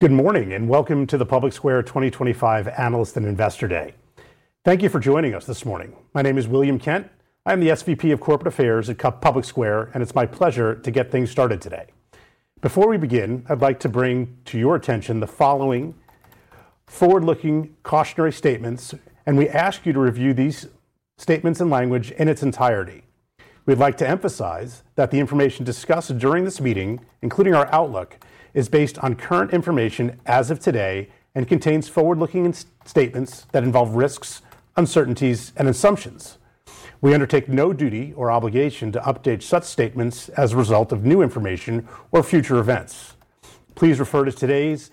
Good morning and welcome to the PublicSquare 2025 Analyst and Investor Day. Thank you for joining us this morning. My name is William Kent. I'm the SVP of Corporate Affairs at PublicSquare, and it's my pleasure to get things started today. Before we begin, I'd like to bring to your attention the following forward-looking cautionary statements, and we ask you to review these statements and language in its entirety. We'd like to emphasize that the information discussed during this meeting, including our outlook, is based on current information as of today and contains forward-looking statements that involve risks, uncertainties, and assumptions. We undertake no duty or obligation to update such statements as a result of new information or future events. Please refer to today's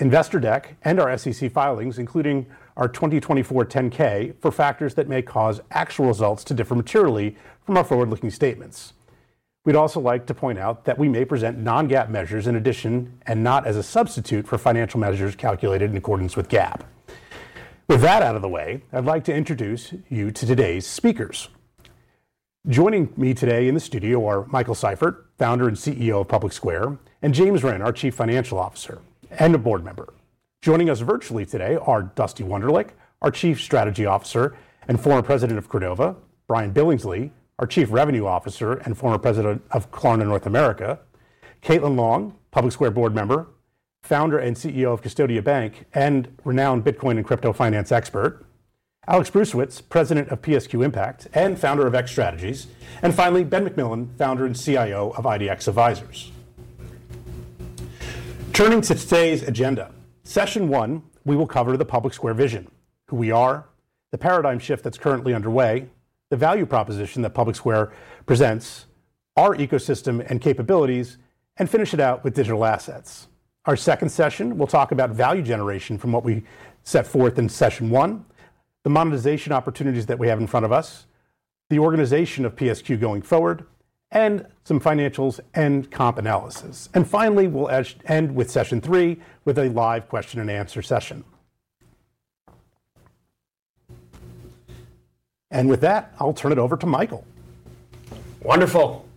investor deck and our SEC filings, including our 2024 10-K, for factors that may cause actual results to differ materially from our forward-looking statements. We'd also like to point out that we may present non-GAAP measures in addition and not as a substitute for financial measures calculated in accordance with GAAP. With that out of the way, I'd like to introduce you to today's speakers. Joining me today in the studio are Michael Seifert, Founder and CEO of PublicSquare, and James Rinn, our Chief Financial Officer and a Board Member. Joining us virtually today are Dusty Wunderlich, our Chief Strategy Officer and former President of Credova, Brian Billingsley, our Chief Revenue Officer and former President of Klarna North America, Caitlin Long, PublicSquare Board Member, Founder and CEO of Custodia Bank, and renowned Bitcoin and crypto finance expert, Alex Bruesewitz, President of PSQ Impact and Founder of X Strategies, and finally, Ben McMillan, Founder and CIO of IDX Advisors. Turning to today's agenda, session one, we will cover the PublicSquare vision, who we are, the paradigm shift that's currently underway, the value proposition that PublicSquare presents, our ecosystem and capabilities, and finish it out with digital assets. Our second session, we'll talk about value generation from what we set forth in session one, the monetization opportunities that we have in front of us, the organization of PSQ going forward, and some financials and comp analysis. Finally, we'll end with session three with a live question and answer session. With that, I'll turn it over to Michael. Wonderful.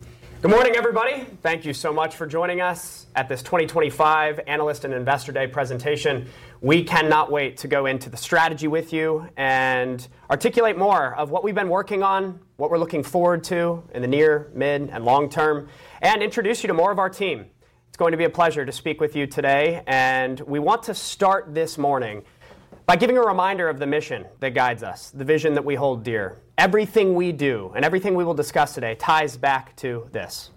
Good morning, everybody. Thank you so much for joining us at this 2025 Analyst and Investor Day presentation. We cannot wait to go into the strategy with you and articulate more of what we've been working on, what we're looking forward to in the near, mid, and long term, and introduce you to more of our team. It's going to be a pleasure to speak with you today, and we want to start this morning by giving a reminder of the mission that guides us, the vision that we hold dear. Everything we do and everything we will discuss today ties back to this.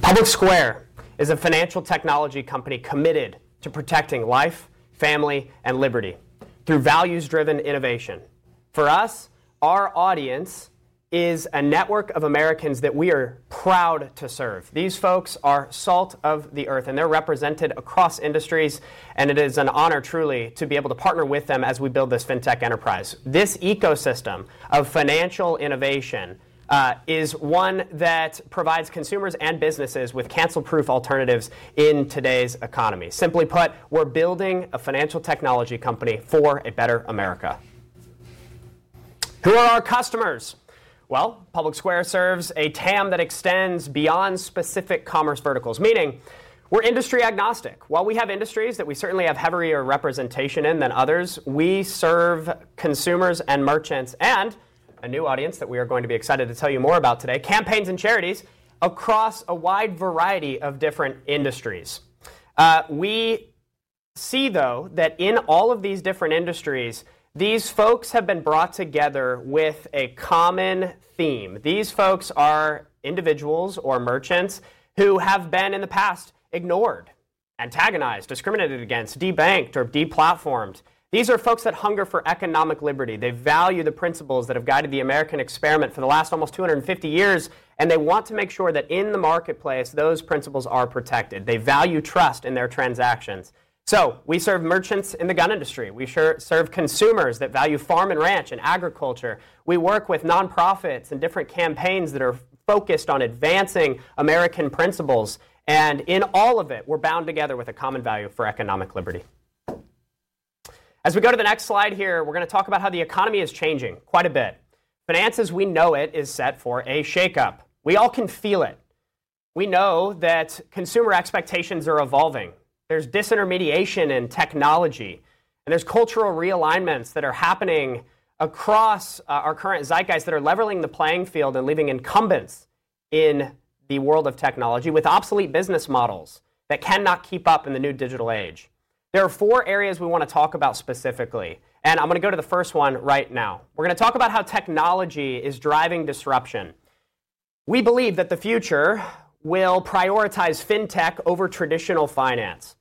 PublicSquare is a financial technology company committed to protecting life, family, and liberty through values-driven innovation. For us, our audience is a network of Americans that we are proud to serve. These folks are salt of the earth, and they're represented across industries, and it is an honor, truly, to be able to partner with them as we build this fintech enterprise. This ecosystem of financial innovation is one that provides consumers and businesses with cancel-proof alternatives in today's economy. Simply put, we're building a financial technology company for a better America. Who are our customers? PublicSquare serves a TAM that extends beyond specific commerce verticals, meaning we're industry agnostic. While we have industries that we certainly have heavier representation in than others, we serve consumers and merchants and a new audience that we are going to be excited to tell you more about today, campaigns and charities across a wide variety of different industries. We see, though, that in all of these different industries, these folks have been brought together with a common theme. These folks are individuals or merchants who have been in the past ignored, antagonized, discriminated against, debanked, or deplatformed. These are folks that hunger for economic liberty. They value the principles that have guided the American experiment for the last almost 250 years, and they want to make sure that in the marketplace, those principles are protected. They value trust in their transactions. We serve merchants in the gun industry. We serve consumers that value farm and ranch and agriculture. We work with nonprofits and different campaigns that are focused on advancing American principles, and in all of it, we're bound together with a common value for economic liberty. As we go to the next slide here, we're going to talk about how the economy is changing quite a bit. Finance, as we know it, is set for a shakeup. We all can feel it. We know that consumer expectations are evolving. There is disintermediation in technology, and there are cultural realignments that are happening across our current zeitgeist that are leveling the playing field and leaving incumbents in the world of technology with obsolete business models that cannot keep up in the new digital age. There are four areas we want to talk about specifically, and I am going to go to the first one right now. We are going to talk about how technology is driving disruption. We believe that the future will prioritize fintech over traditional finance.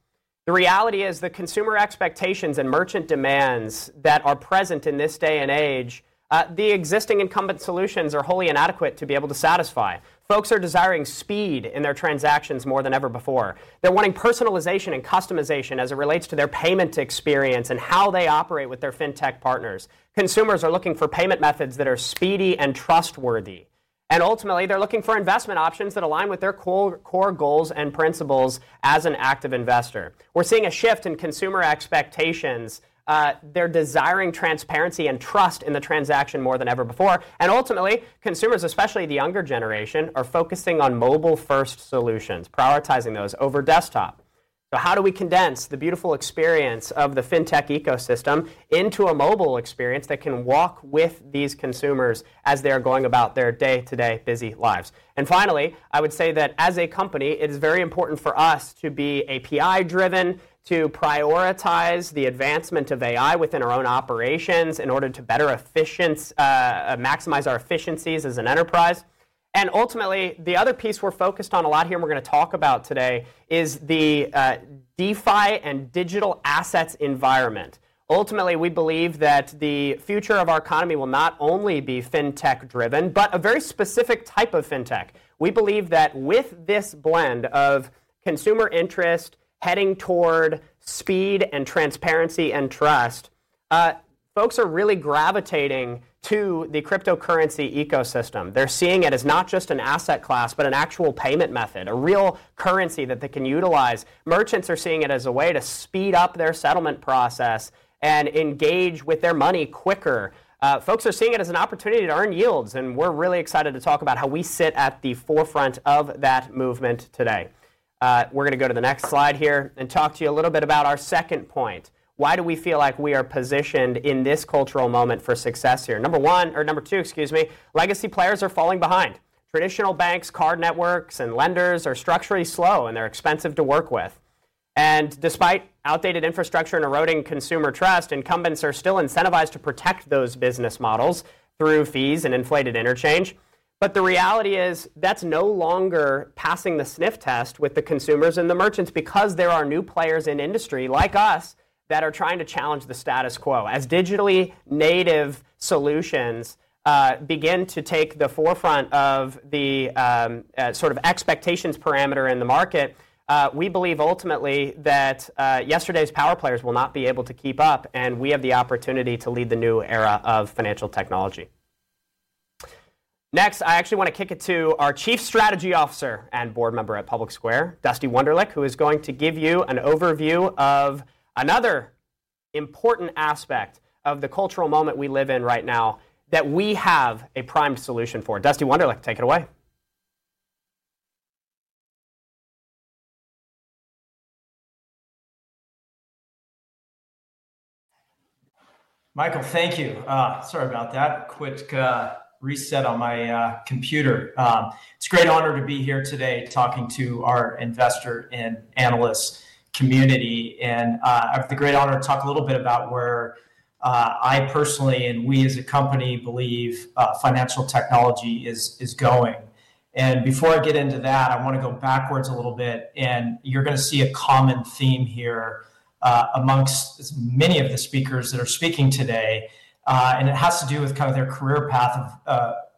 The reality is the consumer expectations and merchant demands that are present in this day and age, the existing incumbent solutions are wholly inadequate to be able to satisfy. Folks are desiring speed in their transactions more than ever before. They are wanting personalization and customization as it relates to their payment experience and how they operate with their fintech partners. Consumers are looking for payment methods that are speedy and trustworthy. Ultimately, they are looking for investment options that align with their core goals and principles as an active investor. We are seeing a shift in consumer expectations. They are desiring transparency and trust in the transaction more than ever before. Ultimately, consumers, especially the younger generation, are focusing on mobile-first solutions, prioritizing those over desktop. How do we condense the beautiful experience of the fintech ecosystem into a mobile experience that can walk with these consumers as they are going about their day-to-day busy lives? Finally, I would say that as a company, it is very important for us to be API-driven, to prioritize the advancement of AI within our own operations in order to better maximize our efficiencies as an enterprise. Ultimately, the other piece we are focused on a lot here and we are going to talk about today is the DeFi and digital assets environment. Ultimately, we believe that the future of our economy will not only be fintech-driven, but a very specific type of fintech. We believe that with this blend of consumer interest heading toward speed and transparency and trust, folks are really gravitating to the cryptocurrency ecosystem. They are seeing it as not just an asset class, but an actual payment method, a real currency that they can utilize. Merchants are seeing it as a way to speed up their settlement process and engage with their money quicker. Folks are seeing it as an opportunity to earn yields, and we're really excited to talk about how we sit at the forefront of that movement today. We're going to go to the next slide here and talk to you a little bit about our second point. Why do we feel like we are positioned in this cultural moment for success here? Number one, or number two, excuse me, legacy players are falling behind. Traditional banks, card networks, and lenders are structurally slow, and they're expensive to work with. Despite outdated infrastructure and eroding consumer trust, incumbents are still incentivized to protect those business models through fees and inflated interchange. The reality is that's no longer passing the sniff test with the consumers and the merchants because there are new players in industry like us that are trying to challenge the status quo. As digitally native solutions begin to take the forefront of the sort of expectations parameter in the market, we believe ultimately that yesterday's power players will not be able to keep up, and we have the opportunity to lead the new era of financial technology. Next, I actually want to kick it to our Chief Strategy Officer and Board Member at PublicSquare, Dusty Wunderlich, who is going to give you an overview of another important aspect of the cultural moment we live in right now that we have a prime solution for. Dusty Wunderlich, take it away. Michael, thank you. Sorry about that. Quick reset on my computer. It's a great honor to be here today talking to our investor and analyst community, and I have the great honor to talk a little bit about where I personally and we as a company believe financial technology is going. Before I get into that, I want to go backwards a little bit, and you're going to see a common theme here amongst many of the speakers that are speaking today, and it has to do with kind of their career path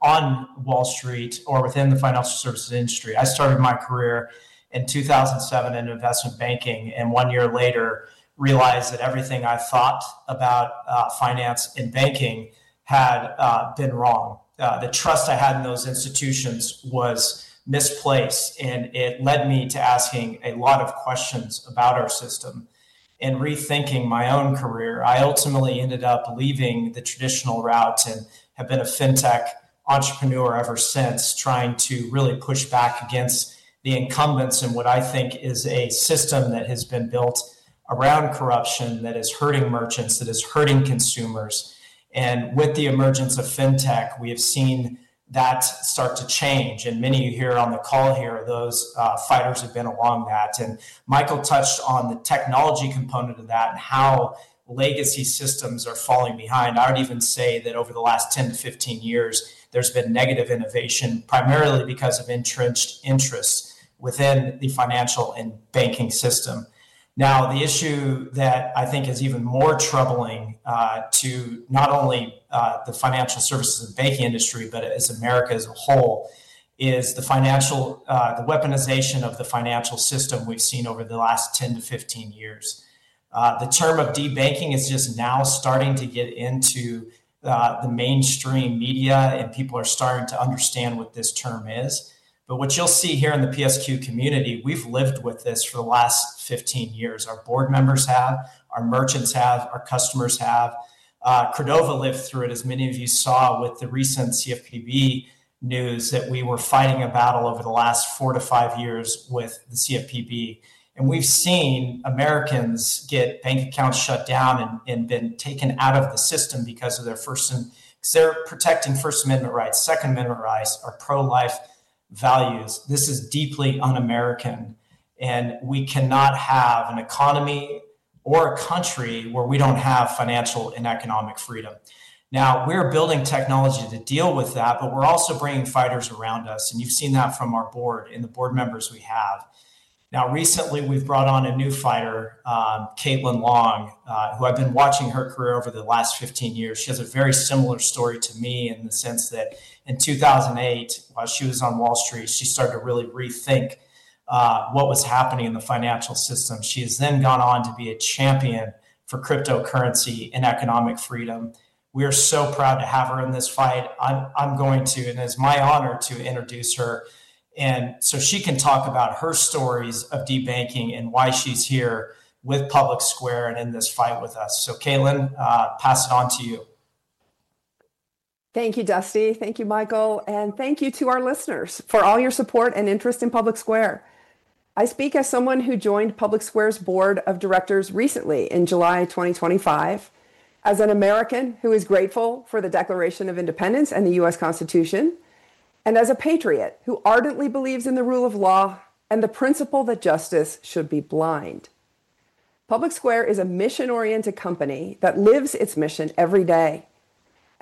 on Wall Street or within the financial services industry. I started my career in 2007 in investment banking, and one year later, realized that everything I thought about finance in banking had been wrong. The trust I had in those institutions was misplaced, and it led me to asking a lot of questions about our system. In rethinking my own career, I ultimately ended up leaving the traditional route and have been a fintech entrepreneur ever since, trying to really push back against the incumbents and what I think is a system that has been built around corruption that is hurting merchants, that is hurting consumers. With the emergence of fintech, we have seen that start to change, and many here on the call here are those fighters who've been along that. Michael touched on the technology component of that, how legacy systems are falling behind. I would even say that over the last 10 to 15 years, there's been negative innovation primarily because of entrenched interests within the financial and banking system. Now, the issue that I think is even more troubling to not only the financial services and banking industry, but as America as a whole, is the financial weaponization of the financial system we've seen over the last 10 to 15 years. The term of debanking is just now starting to get into the mainstream media, and people are starting to understand what this term is. What you'll see here in the PSQ community, we've lived with this for the last 15 years. Our board members have, our merchants have, our customers have. Credova lived through it, as many of you saw with the recent CFPB news that we were fighting a battle over the last four to five years with the CFPB. We've seen Americans get bank accounts shut down and been taken out of the system because they're protecting First Amendment rights, Second Amendment rights, our pro-life values. This is deeply un-American, and we cannot have an economy or a country where we don't have financial and economic freedom. Now, we're building technology to deal with that, but we're also bringing fighters around us, and you've seen that from our board and the board members we have. Recently, we've brought on a new fighter, Caitlin Long, who I've been watching her career over the last 15 years. She has a very similar story to me in the sense that in 2008, while she was on Wall Street, she started to really rethink what was happening in the financial system. She has then gone on to be a champion for cryptocurrency and economic freedom. We are so proud to have her in this fight. I'm going to, and it's my honor to introduce her, so she can talk about her stories of debanking and why she's here with PublicSquare and in this fight with us. Caitlin, pass it on to you. Thank you, Dusty. Thank you, Michael, and thank you to our listeners for all your support and interest in PublicSquare. I speak as someone who joined PublicSquare's Board of Directors recently in July 2025, as an American who is grateful for the Declaration of Independence and the U.S. Constitution, and as a patriot who ardently believes in the rule of law and the principle that justice should be blind. PublicSquare is a mission-oriented company that lives its mission every day.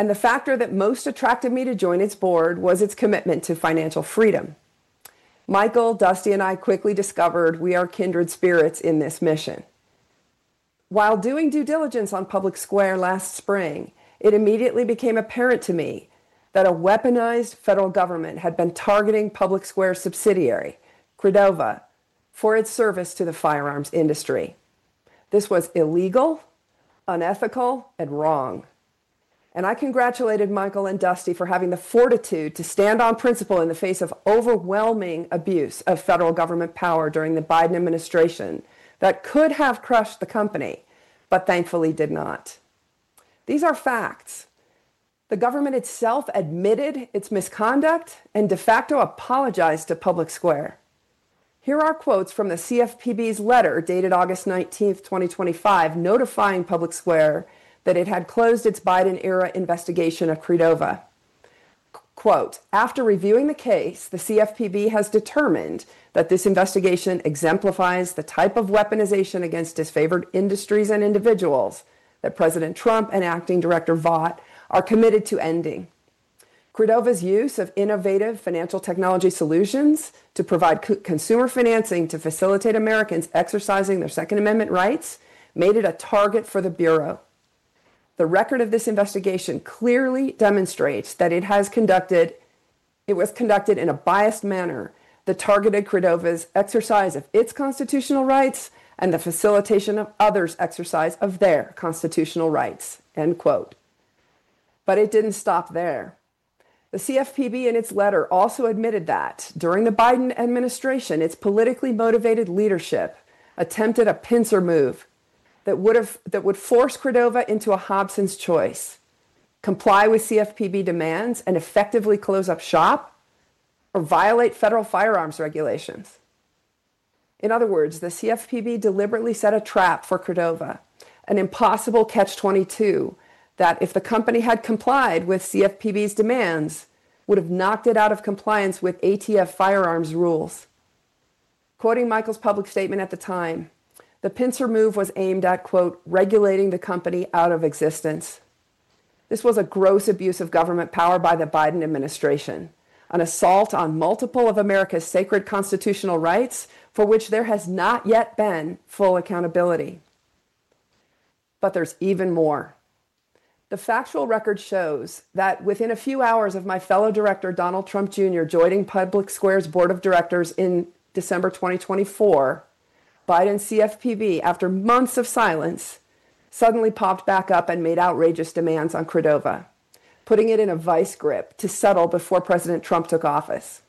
The factor that most attracted me to join its Board was its commitment to financial freedom. Michael, Dusty, and I quickly discovered we are kindred spirits in this mission. While doing due diligence on PublicSquare last spring, it immediately became apparent to me that a weaponized federal government had been targeting PublicSquare's subsidiary, Credova, for its service to the firearms industry. This was illegal, unethical, and wrong. I congratulated Michael and Dusty for having the fortitude to stand on principle in the face of overwhelming abuse of federal government power during the Biden administration that could have crushed the company, but thankfully did not. These are facts. The government itself admitted its misconduct and de facto apologized to PublicSquare. Here are quotes from the CFPB's letter dated August 19th, 2025, notifying PublicSquare that it had closed its Biden-era investigation of Credova. Quote, "After reviewing the case, the CFPB has determined that this investigation exemplifies the type of weaponization against disfavored industries and individuals that President Trump and Acting Director Vought are committed to ending. Credova's use of innovative financial technology solutions to provide consumer financing to facilitate Americans exercising their Second Amendment rights made it a target for the Bureau. The record of this investigation clearly demonstrates that it was conducted in a biased manner that targeted Credova's exercise of its constitutional rights and the facilitation of others' exercise of their constitutional rights." End quote. The CFPB in its letter also admitted that during the Biden administration, its politically motivated leadership attempted a pincer move that would force Credova into a Hobson's choice: comply with CFPB demands and effectively close up shop or violate federal firearms regulations. In other words, the CFPB deliberately set a trap for Credova, an impossible catch-22 that if the company had complied with CFPB's demands, would have knocked it out of compliance with ATF firearms rules. Quoting Michael's public statement at the time, the pincer move was aimed at, quote, "regulating the company out of existence." This was a gross abuse of government power by the Biden administration, an assault on multiple of America's sacred constitutional rights for which there has not yet been full accountability. There is even more. The factual record shows that within a few hours of my fellow director, Donald Trump Jr., joining PublicSquare's board of directors in December 2024, Biden's CFPB, after months of silence, suddenly popped back up and made outrageous demands on Credova, putting it in a vice grip to settle before President Trump took office.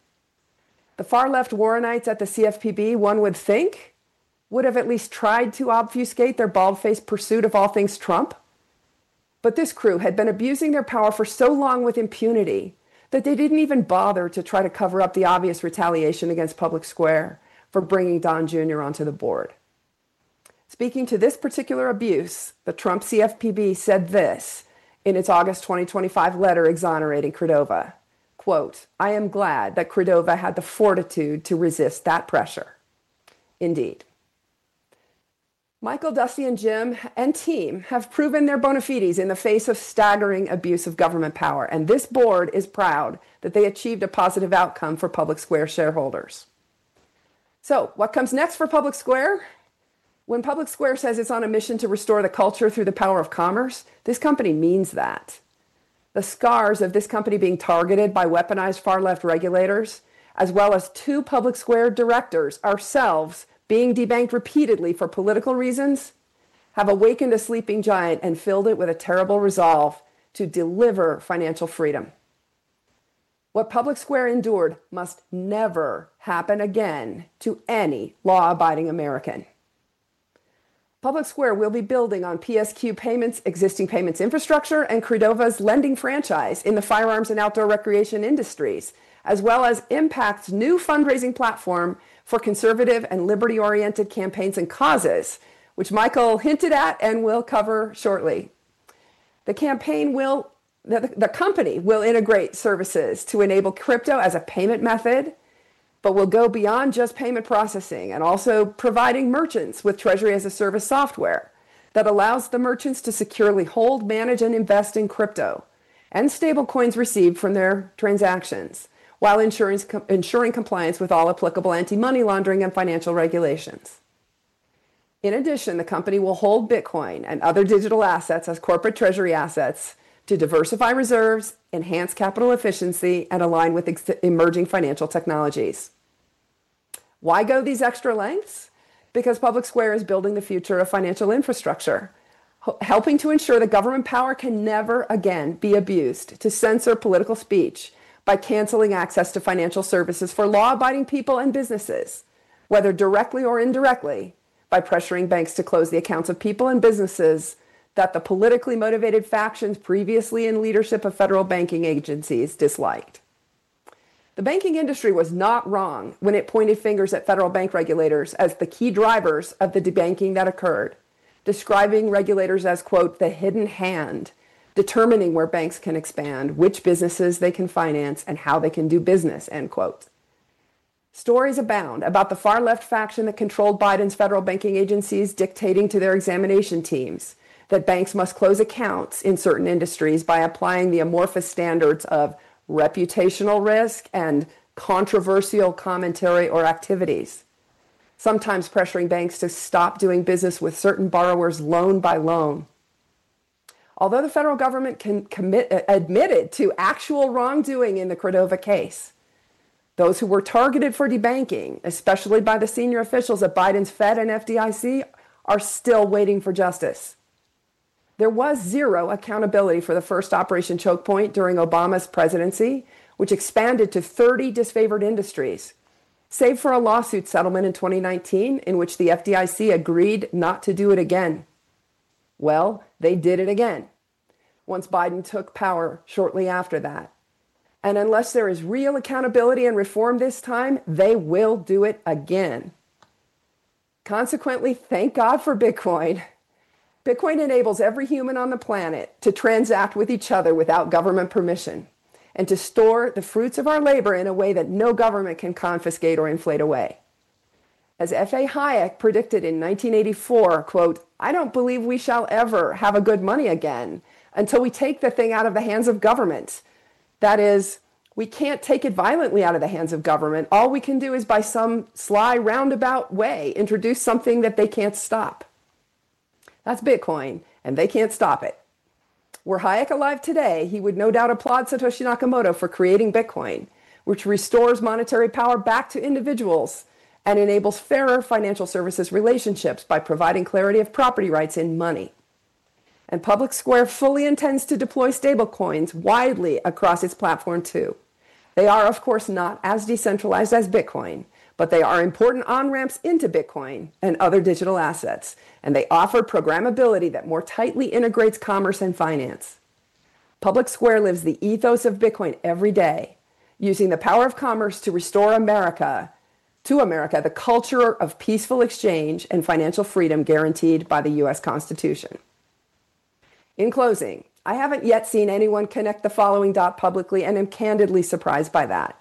The far-left war knights at the CFPB, one would think, would have at least tried to obfuscate their bald-faced pursuit of all things Trump. This crew had been abusing their power for so long with impunity that they did not even bother to try to cover up the obvious retaliation against PublicSquare for bringing Don Jr. onto the board. Speaking to this particular abuse, the Trump CFPB said this in its August 2025 letter exonerating Credova: quote, "I am glad that Credova had the fortitude to resist that pressure." Indeed. Michael, Dusty, and Jim and team have proven their bona fides in the face of staggering abuse of government power, and this board is proud that they achieved a positive outcome for PublicSquare shareholders. What comes next for PublicSquare? When PublicSquare says it's on a mission to restore the culture through the power of commerce, this company means that. The scars of this company being targeted by weaponized far-left regulators, as well as two PublicSquare directors ourselves being debanked repeatedly for political reasons, have awakened a sleeping giant and filled it with a terrible resolve to deliver financial freedom. What PublicSquare endured must never happen again to any law-abiding American. PublicSquare will be building on PSQ Payments, existing payments infrastructure, and Credova's lending franchise in the firearms and outdoor recreation industries, as well as Impact's new fundraising platform for conservative and liberty-oriented campaigns and causes, which Michael hinted at and will cover shortly. The company will integrate services to enable crypto as a payment method, but will go beyond just payment processing and also providing merchants with Treasury as a Service software that allows the merchants to securely hold, manage, and invest in crypto and stablecoins received from their transactions, while ensuring compliance with all applicable anti-money laundering and financial regulations. In addition, the company will hold Bitcoin and other digital assets as corporate treasury assets to diversify reserves, enhance capital efficiency, and align with emerging financial technologies. Why go these extra lengths? Because PublicSquare is building the future of financial infrastructure, helping to ensure that government power can never again be abused to censor political speech by canceling access to financial services for law-abiding people and businesses, whether directly or indirectly, by pressuring banks to close the accounts of people and businesses that the politically motivated factions previously in leadership of federal banking agencies disliked. The banking industry was not wrong when it pointed fingers at federal bank regulators as the key drivers of the debanking that occurred, describing regulators as, quote, "the hidden hand determining where banks can expand, which businesses they can finance, and how they can do business," end quote. Stories abound about the far-left faction that controlled Biden's federal banking agencies dictating to their examination teams that banks must close accounts in certain industries by applying the amorphous standards of reputational risk and controversial commentary or activities, sometimes pressuring banks to stop doing business with certain borrowers loan by loan. Although the federal government admitted to actual wrongdoing in the Credova case, those who were targeted for debanking, especially by the senior officials at Biden's Fed and FDIC, are still waiting for justice. There was zero accountability for the first Operation Choke Point during Obama's presidency, which expanded to 30 disfavored industries, save for a lawsuit settlement in 2019 in which the FDIC agreed not to do it again. They did it again once Biden took power shortly after that. Unless there is real accountability and reform this time, they will do it again. Consequently, thank God for Bitcoin. Bitcoin enables every human on the planet to transact with each other without government permission and to store the fruits of our labor in a way that no government can confiscate or inflate away. As F.A. Hayek predicted in 1984, "I don't believe we shall ever have a good money again until we take the thing out of the hands of government." That is, we can't take it violently out of the hands of government. All we can do is, by some sly roundabout way, introduce something that they can't stop. That's Bitcoin, and they can't stop it. Were Hayek alive today, he would no doubt applaud Satoshi Nakamoto for creating Bitcoin, which restores monetary power back to individuals and enables fairer financial services relationships by providing clarity of property rights in money. PublicSquare fully intends to deploy stablecoins widely across its platform too. They are, of course, not as decentralized as Bitcoin, but they are important on-ramps into Bitcoin and other digital assets, and they offer programmability that more tightly integrates commerce and finance. PublicSquare lives the ethos of Bitcoin every day, using the power of commerce to restore America to America, the culture of peaceful exchange and financial freedom guaranteed by the U.S. Constitution. In closing, I haven't yet seen anyone connect the following dot publicly, and I'm candidly surprised by that.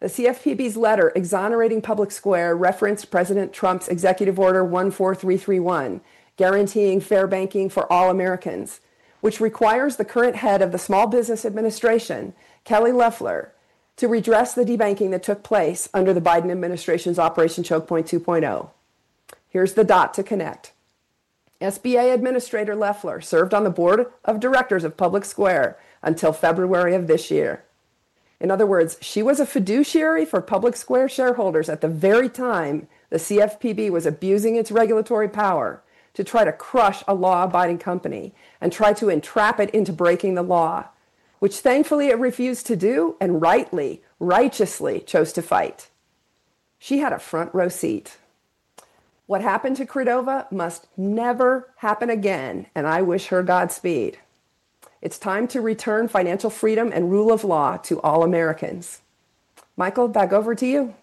The CFPB's letter exonerating PublicSquare referenced President Trump's Executive Order 14331, guaranteeing fair banking for all Americans, which requires the current head of the Small Business Administration, Kelly Loeffler, to redress the debanking that took place under the Biden administration's Operation Choke Point 2.0. Here's the dot to connect. SBA Administrator Loeffler served on the board of directors of PublicSquare until February of this year. In other words, she was a fiduciary for PublicSquare shareholders at the very time the CFPB was abusing its regulatory power to try to crush a law-abiding company and try to entrap it into breaking the law, which thankfully it refused to do and rightly, righteously chose to fight. She had a front-row seat. What happened to Credova must never happen again, and I wish her Godspeed. It's time to return financial freedom and rule of law to all Americans. Michael, back over to you.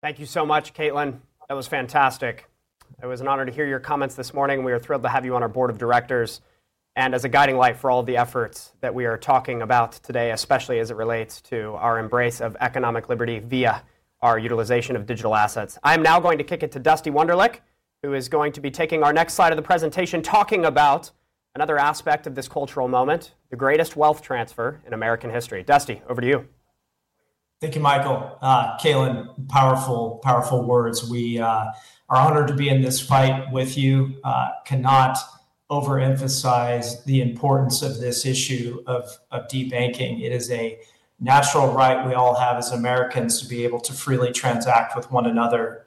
Thank you so much, Caitlin. That was fantastic. It was an honor to hear your comments this morning. We are thrilled to have you on our Board of Directors and as a guiding light for all of the efforts that we are talking about today, especially as it relates to our embrace of economic liberty via our utilization of digital assets. I'm now going to kick it to Dusty Wunderlich, who is going to be taking our next slide of the presentation talking about another aspect of this cultural moment, the greatest wealth transfer in American history. Dusty, over to you. Thank you, Michael. Caitlin, powerful, powerful words. We are honored to be in this fight with you. Cannot overemphasize the importance of this issue of debanking. It is a natural right we all have as Americans to be able to freely transact with one another.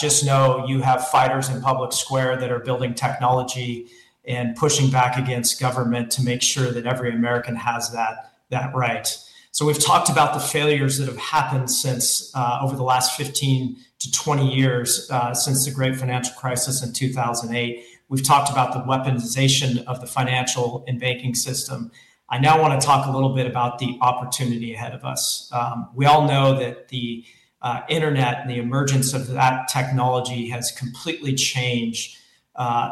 Just know you have fighters in PublicSquare that are building technology and pushing back against government to make sure that every American has that right. We have talked about the failures that have happened over the last 15-20 years since the great financial crisis in 2008. We have talked about the weaponization of the financial and banking system. I now want to talk a little bit about the opportunity ahead of us. We all know that the internet and the emergence of that technology has completely changed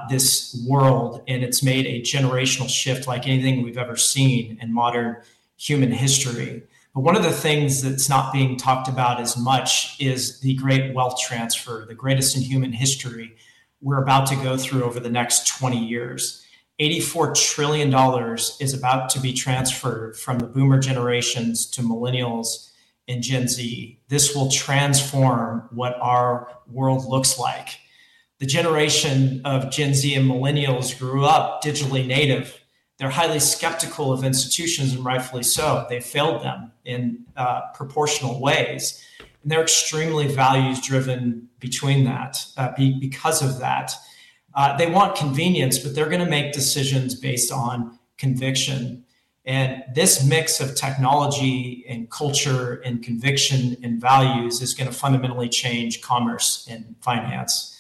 this world, and it has made a generational shift like anything we have ever seen in modern human history. One of the things that is not being talked about as much is the great wealth transfer, the greatest in human history, we are about to go through over the next 20 years. $84 trillion is about to be transferred from the boomer generations to millennials and Gen Z. This will transform what our world looks like. The generation of Gen Z and millennials grew up digitally native. They are highly skeptical of institutions, and rightfully so. They failed them in proportional ways. They are extremely values-driven because of that. They want convenience, but they are going to make decisions based on conviction. This mix of technology and culture and conviction and values is going to fundamentally change commerce and finance.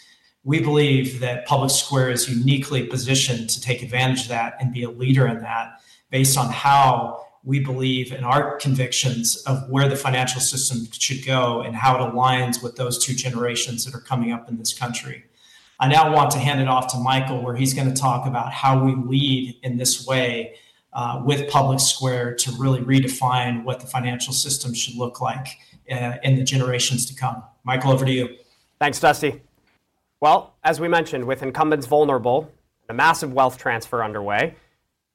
We believe that PublicSquare is uniquely positioned to take advantage of that and be a leader in that based on how we believe in our convictions of where the financial system should go and how it aligns with those two generations that are coming up in this country. I now want to hand it off to Michael, where he is going to talk about how we lead in this way with PublicSquare to really redefine what the financial system should look like in the generations to come. Michael, over to you. Thanks, Dusty. As we mentioned, with incumbents vulnerable and a massive wealth transfer underway,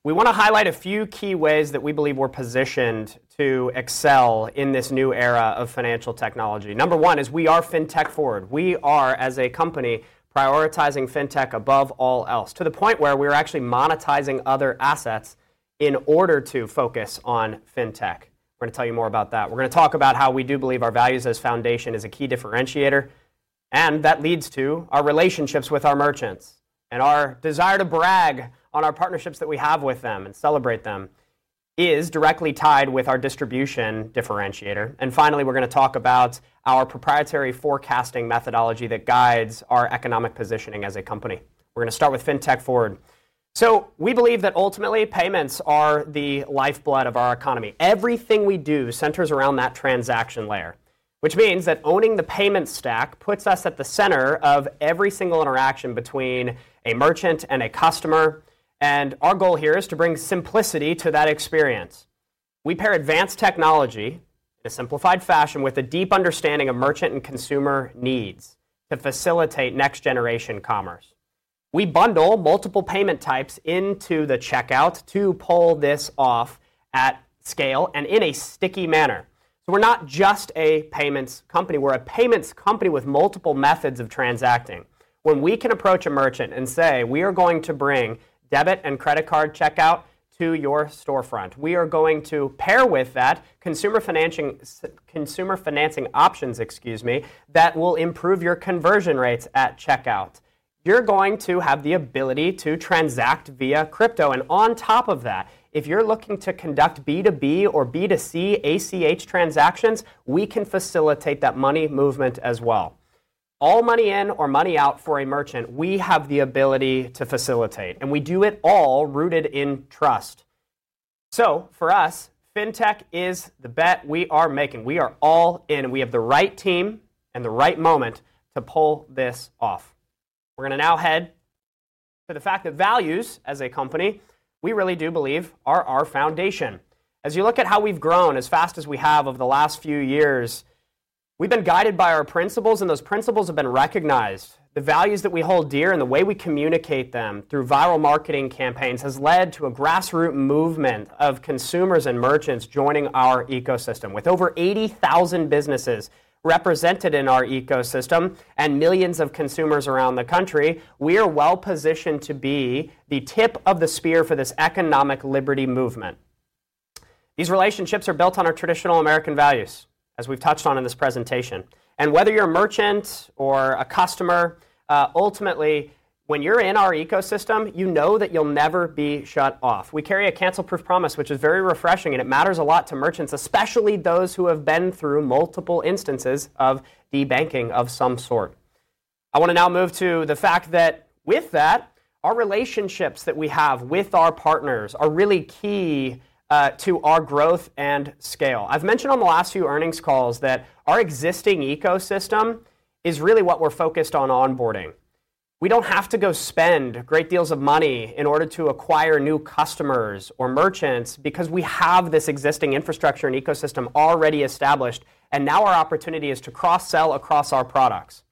we want to highlight a few key ways that we believe we're positioned to excel in this new era of financial technology. Number one is we are fintech forward. We are, as a company, prioritizing fintech above all else, to the point where we are actually monetizing other assets in order to focus on fintech. We're going to tell you more about that. We're going to talk about how we do believe our values as a foundation is a key differentiator, and that leads to our relationships with our merchants. Our desire to brag on our partnerships that we have with them and celebrate them is directly tied with our distribution differentiator. Finally, we're going to talk about our proprietary forecasting methodology that guides our economic positioning as a company. We're going to start with fintech forward. We believe that ultimately payments are the lifeblood of our economy. Everything we do centers around that transaction layer, which means that owning the payment stack puts us at the center of every single interaction between a merchant and a customer. Our goal here is to bring simplicity to that experience. We pair advanced technology in a simplified fashion with a deep understanding of merchant and consumer needs to facilitate next-generation commerce. We bundle multiple payment types into the checkout to pull this off at scale and in a sticky manner. We're not just a payments company. We're a payments company with multiple methods of transacting. When we can approach a merchant and say, "We are going to bring debit and credit card checkout to your storefront. We are going to pair with that consumer financing options, excuse me, that will improve your conversion rates at checkout. You're going to have the ability to transact via crypto. On top of that, if you're looking to conduct B2B or B2C ACH transactions, we can facilitate that money movement as well. All money in or money out for a merchant, we have the ability to facilitate, and we do it all rooted in trust." For us, fintech is the bet we are making. We are all in. We have the right team and the right moment to pull this off. We're going to now head to the fact that values as a company, we really do believe, are our foundation. As you look at how we've grown as fast as we have over the last few years, we've been guided by our principles, and those principles have been recognized. The values that we hold dear and the way we communicate them through viral marketing campaigns have led to a grassroots movement of consumers and merchants joining our ecosystem. With over 80,000 businesses represented in our ecosystem and millions of consumers around the country, we are well positioned to be the tip of the spear for this economic liberty movement. These relationships are built on our traditional American values, as we've touched on in this presentation. Whether you're a merchant or a customer, ultimately, when you're in our ecosystem, you know that you'll never be shut off. We carry a cancel-proof promise, which is very refreshing, and it matters a lot to merchants, especially those who have been through multiple instances of debanking of some sort. I want to now move to the fact that with that, our relationships that we have with our partners are really key to our growth and scale. I've mentioned on the last few earnings calls that our existing ecosystem is really what we're focused on onboarding. We don't have to go spend great deals of money in order to acquire new customers or merchants because we have this existing infrastructure and ecosystem already established, and now our opportunity is to cross-sell across our products.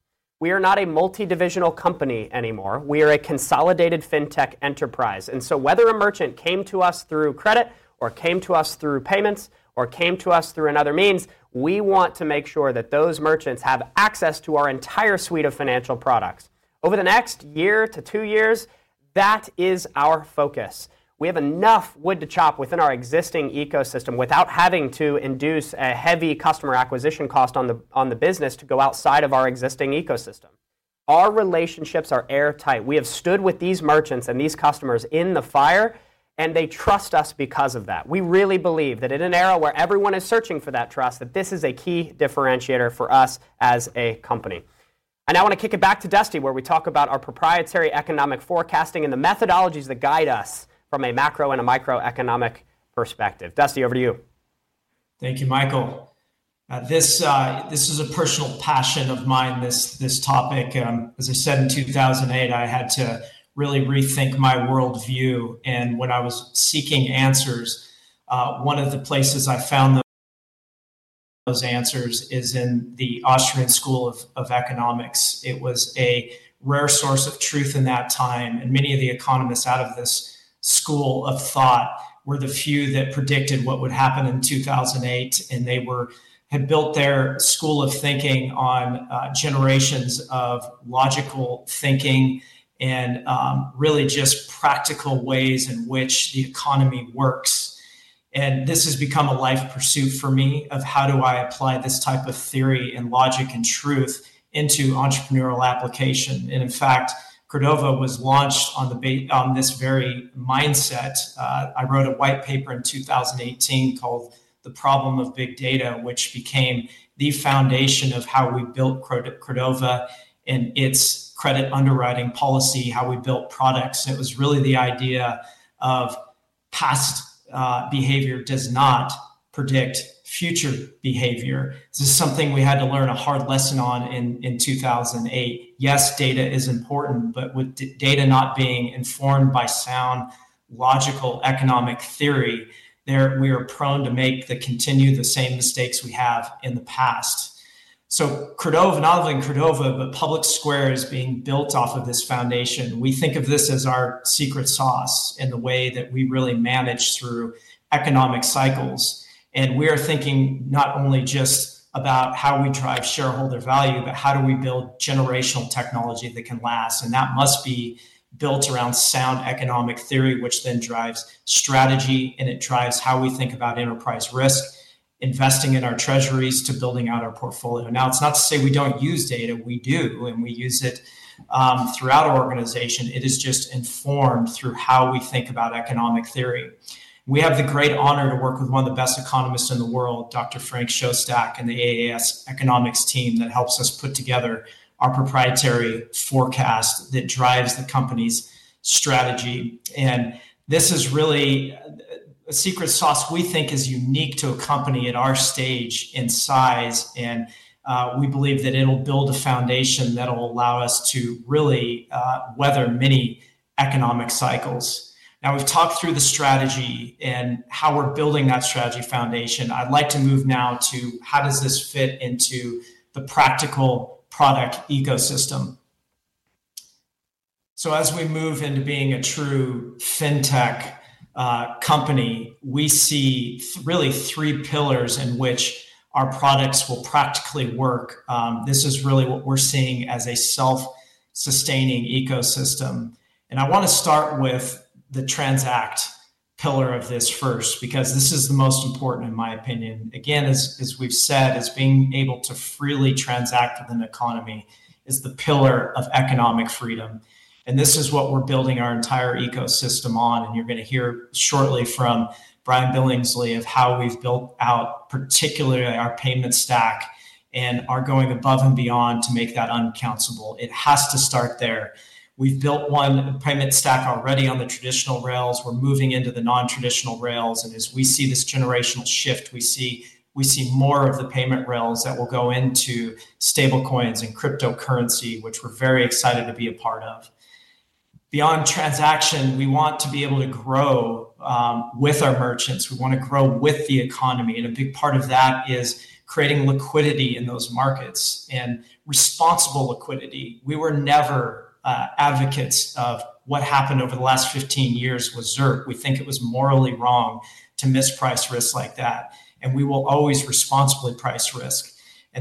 We are not a multi-divisional company anymore. We are a consolidated fintech enterprise. Whether a merchant came to us through credit or came to us through payments or came to us through another means, we want to make sure that those merchants have access to our entire suite of financial products. Over the next year to two years, that is our focus. We have enough wood to chop within our existing ecosystem without having to induce a heavy customer acquisition cost on the business to go outside of our existing ecosystem. Our relationships are airtight. We have stood with these merchants and these customers in the fire, and they trust us because of that. We really believe that in an era where everyone is searching for that trust, that this is a key differentiator for us as a company. I want to kick it back to Dusty, where we talk about our proprietary economic forecasting and the methodologies that guide us from a macro and a microeconomic perspective. Dusty, over to you. Thank you, Michael. This is a personal passion of mine, this topic. As I said, in 2008, I had to really rethink my worldview, and when I was seeking answers, one of the places I found those answers is in the Austrian School of Economics. It was a rare source of truth in that time, and many of the economists out of this school of thought were the few that predicted what would happen in 2008, and they had built their school of thinking on generations of logical thinking and really just practical ways in which the economy works. This has become a life pursuit for me of how do I apply this type of theory and logic and truth into entrepreneurial application. In fact, Credova was launched on this very mindset. I wrote a white paper in 2018 called The Problem of Big Data, which became the foundation of how we built Credova and its credit underwriting policy, how we built products. It was really the idea of past behavior does not predict future behavior. This is something we had to learn a hard lesson on in 2008. Yes, data is important, but with data not being informed by sound logical economic theory, we are prone to make the same mistakes we have in the past. Credova, not only Credova, but PublicSquare is being built off of this foundation. We think of this as our secret sauce in the way that we really manage through economic cycles. We are thinking not only just about how we drive shareholder value, but how do we build generational technology that can last? That must be built around sound economic theory, which then drives strategy, and it drives how we think about enterprise risk, investing in our treasuries to building out our portfolio. Now, it's not to say we don't use data. We do, and we use it throughout our organization. It is just informed through how we think about economic theory. We have the great honor to work with one of the best economists in the world, Dr. Frank Shostak, and the AAS Economics team that helps us put together our proprietary forecast that drives the company's strategy. This is really a secret sauce we think is unique to a company at our stage in size, and we believe that it'll build a foundation that'll allow us to really weather many economic cycles. Now, we've talked through the strategy and how we're building that strategy foundation. I'd like to move now to how does this fit into the practical product ecosystem. As we move into being a true fintech company, we see really three pillars in which our products will practically work. This is really what we're seeing as a self-sustaining ecosystem. I want to start with the transact pillar of this first because this is the most important in my opinion. Again, as we've said, being able to freely transact within the economy is the pillar of economic freedom. This is what we're building our entire ecosystem on. You're going to hear shortly from Brian Billingsley about how we've built out particularly our payment stack and are going above and beyond to make that uncancellable. It has to start there. We've built one payment stack already on the traditional rails. We're moving into the non-traditional rails. As we see this generational shift, we see more of the payment rails that will go into stablecoins and cryptocurrency, which we're very excited to be a part of. Beyond transaction, we want to be able to grow with our merchants. We want to grow with the economy. A big part of that is creating liquidity in those markets and responsible liquidity. We were never advocates of what happened over the last 15 years with ZIRP. We think it was morally wrong to misprice risk like that. We will always responsibly price risk.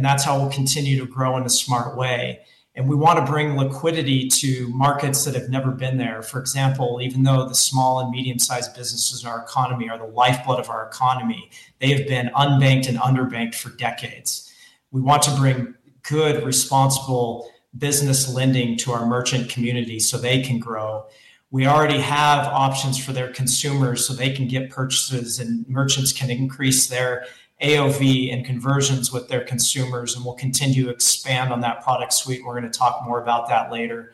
That's how we'll continue to grow in a smart way. We want to bring liquidity to markets that have never been there. For example, even though the small and medium-sized businesses in our economy are the lifeblood of our economy, they have been unbanked and underbanked for decades. We want to bring good, responsible business lending to our merchant community so they can grow. We already have options for their consumers so they can get purchases, and merchants can increase their AOV and conversions with their consumers. We'll continue to expand on that product suite. We're going to talk more about that later.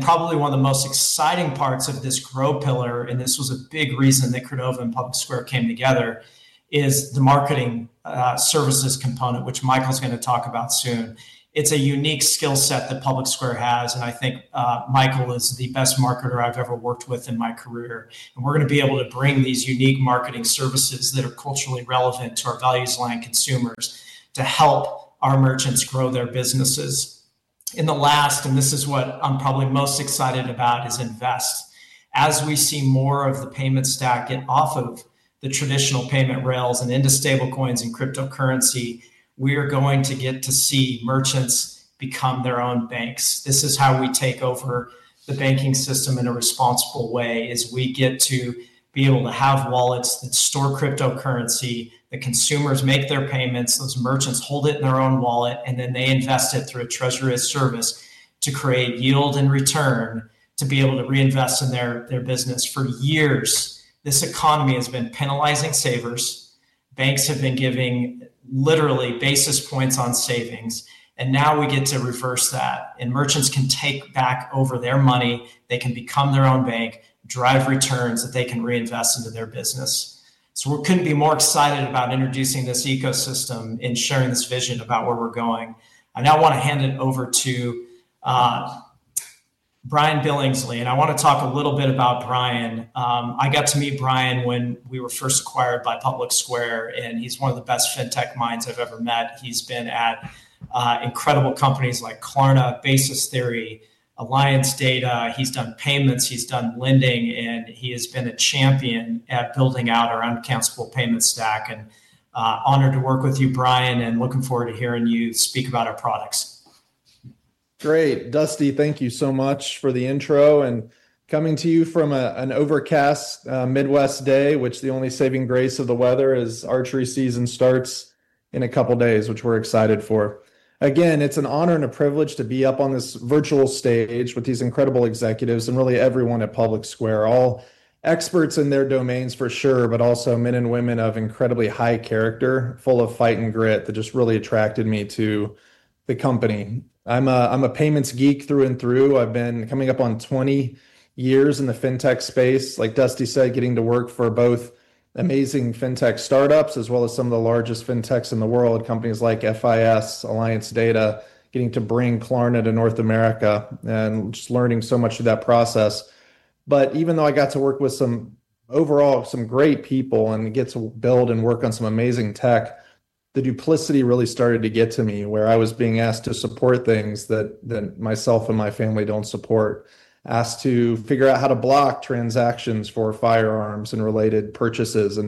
Probably one of the most exciting parts of this growth pillar, and this was a big reason that Credova and PublicSquare came together, is the marketing services component, which Michael's going to talk about soon. It's a unique skill set that PublicSquare has, and I think Michael is the best marketer I've ever worked with in my career. We're going to be able to bring these unique marketing services that are culturally relevant to our values-aligned consumers to help our merchants grow their businesses. In the last, and this is what I'm probably most excited about, is invest. As we see more of the payment stack get off of the traditional payment rails and into stablecoins and cryptocurrency, we are going to get to see merchants become their own banks. This is how we take over the banking system in a responsible way, is we get to be able to have wallets that store cryptocurrency, that consumers make their payments, those merchants hold it in their own wallet, and then they invest it through a treasury of service to create yield and return to be able to reinvest in their business. For years, this economy has been penalizing savers. Banks have been giving literally basis points on savings, now we get to reverse that. Merchants can take back over their money. They can become their own bank, drive returns that they can reinvest into their business. We couldn't be more excited about introducing this ecosystem and sharing this vision about where we're going. I now want to hand it over to Brian Billingsley, and I want to talk a little bit about Brian. I got to meet Brian when we were first acquired by PublicSquare, and he's one of the best fintech minds I've ever met. He's been at incredible companies like Klarna, Basis Theory, Alliance Data. He's done payments. He's done lending, and he has been a champion at building out our uncountable payment stack. Honored to work with you, Brian, and looking forward to hearing you speak about our products. Great. Dusty, thank you so much for the intro and coming to you from an overcast Midwest day, which the only saving grace of the weather is archery season starts in a couple of days, which we're excited for. Again, it's an honor and a privilege to be up on this virtual stage with these incredible executives and really everyone at PublicSquare, all experts in their domains for sure, but also men and women of incredibly high character, full of fight and grit that just really attracted me to the company. I'm a payments geek through and through. I've been coming up on 20 years in the fintech space, like Dusty said, getting to work for both amazing fintech startups as well as some of the largest fintechs in the world, companies like FIS, Alliance Data, getting to bring Klarna to North America, and just learning so much through that process. Even though I got to work with some overall great people and get to build and work on some amazing tech, the duplicity really started to get to me where I was being asked to support things that myself and my family don't support, asked to figure out how to block transactions for firearms and related purchases.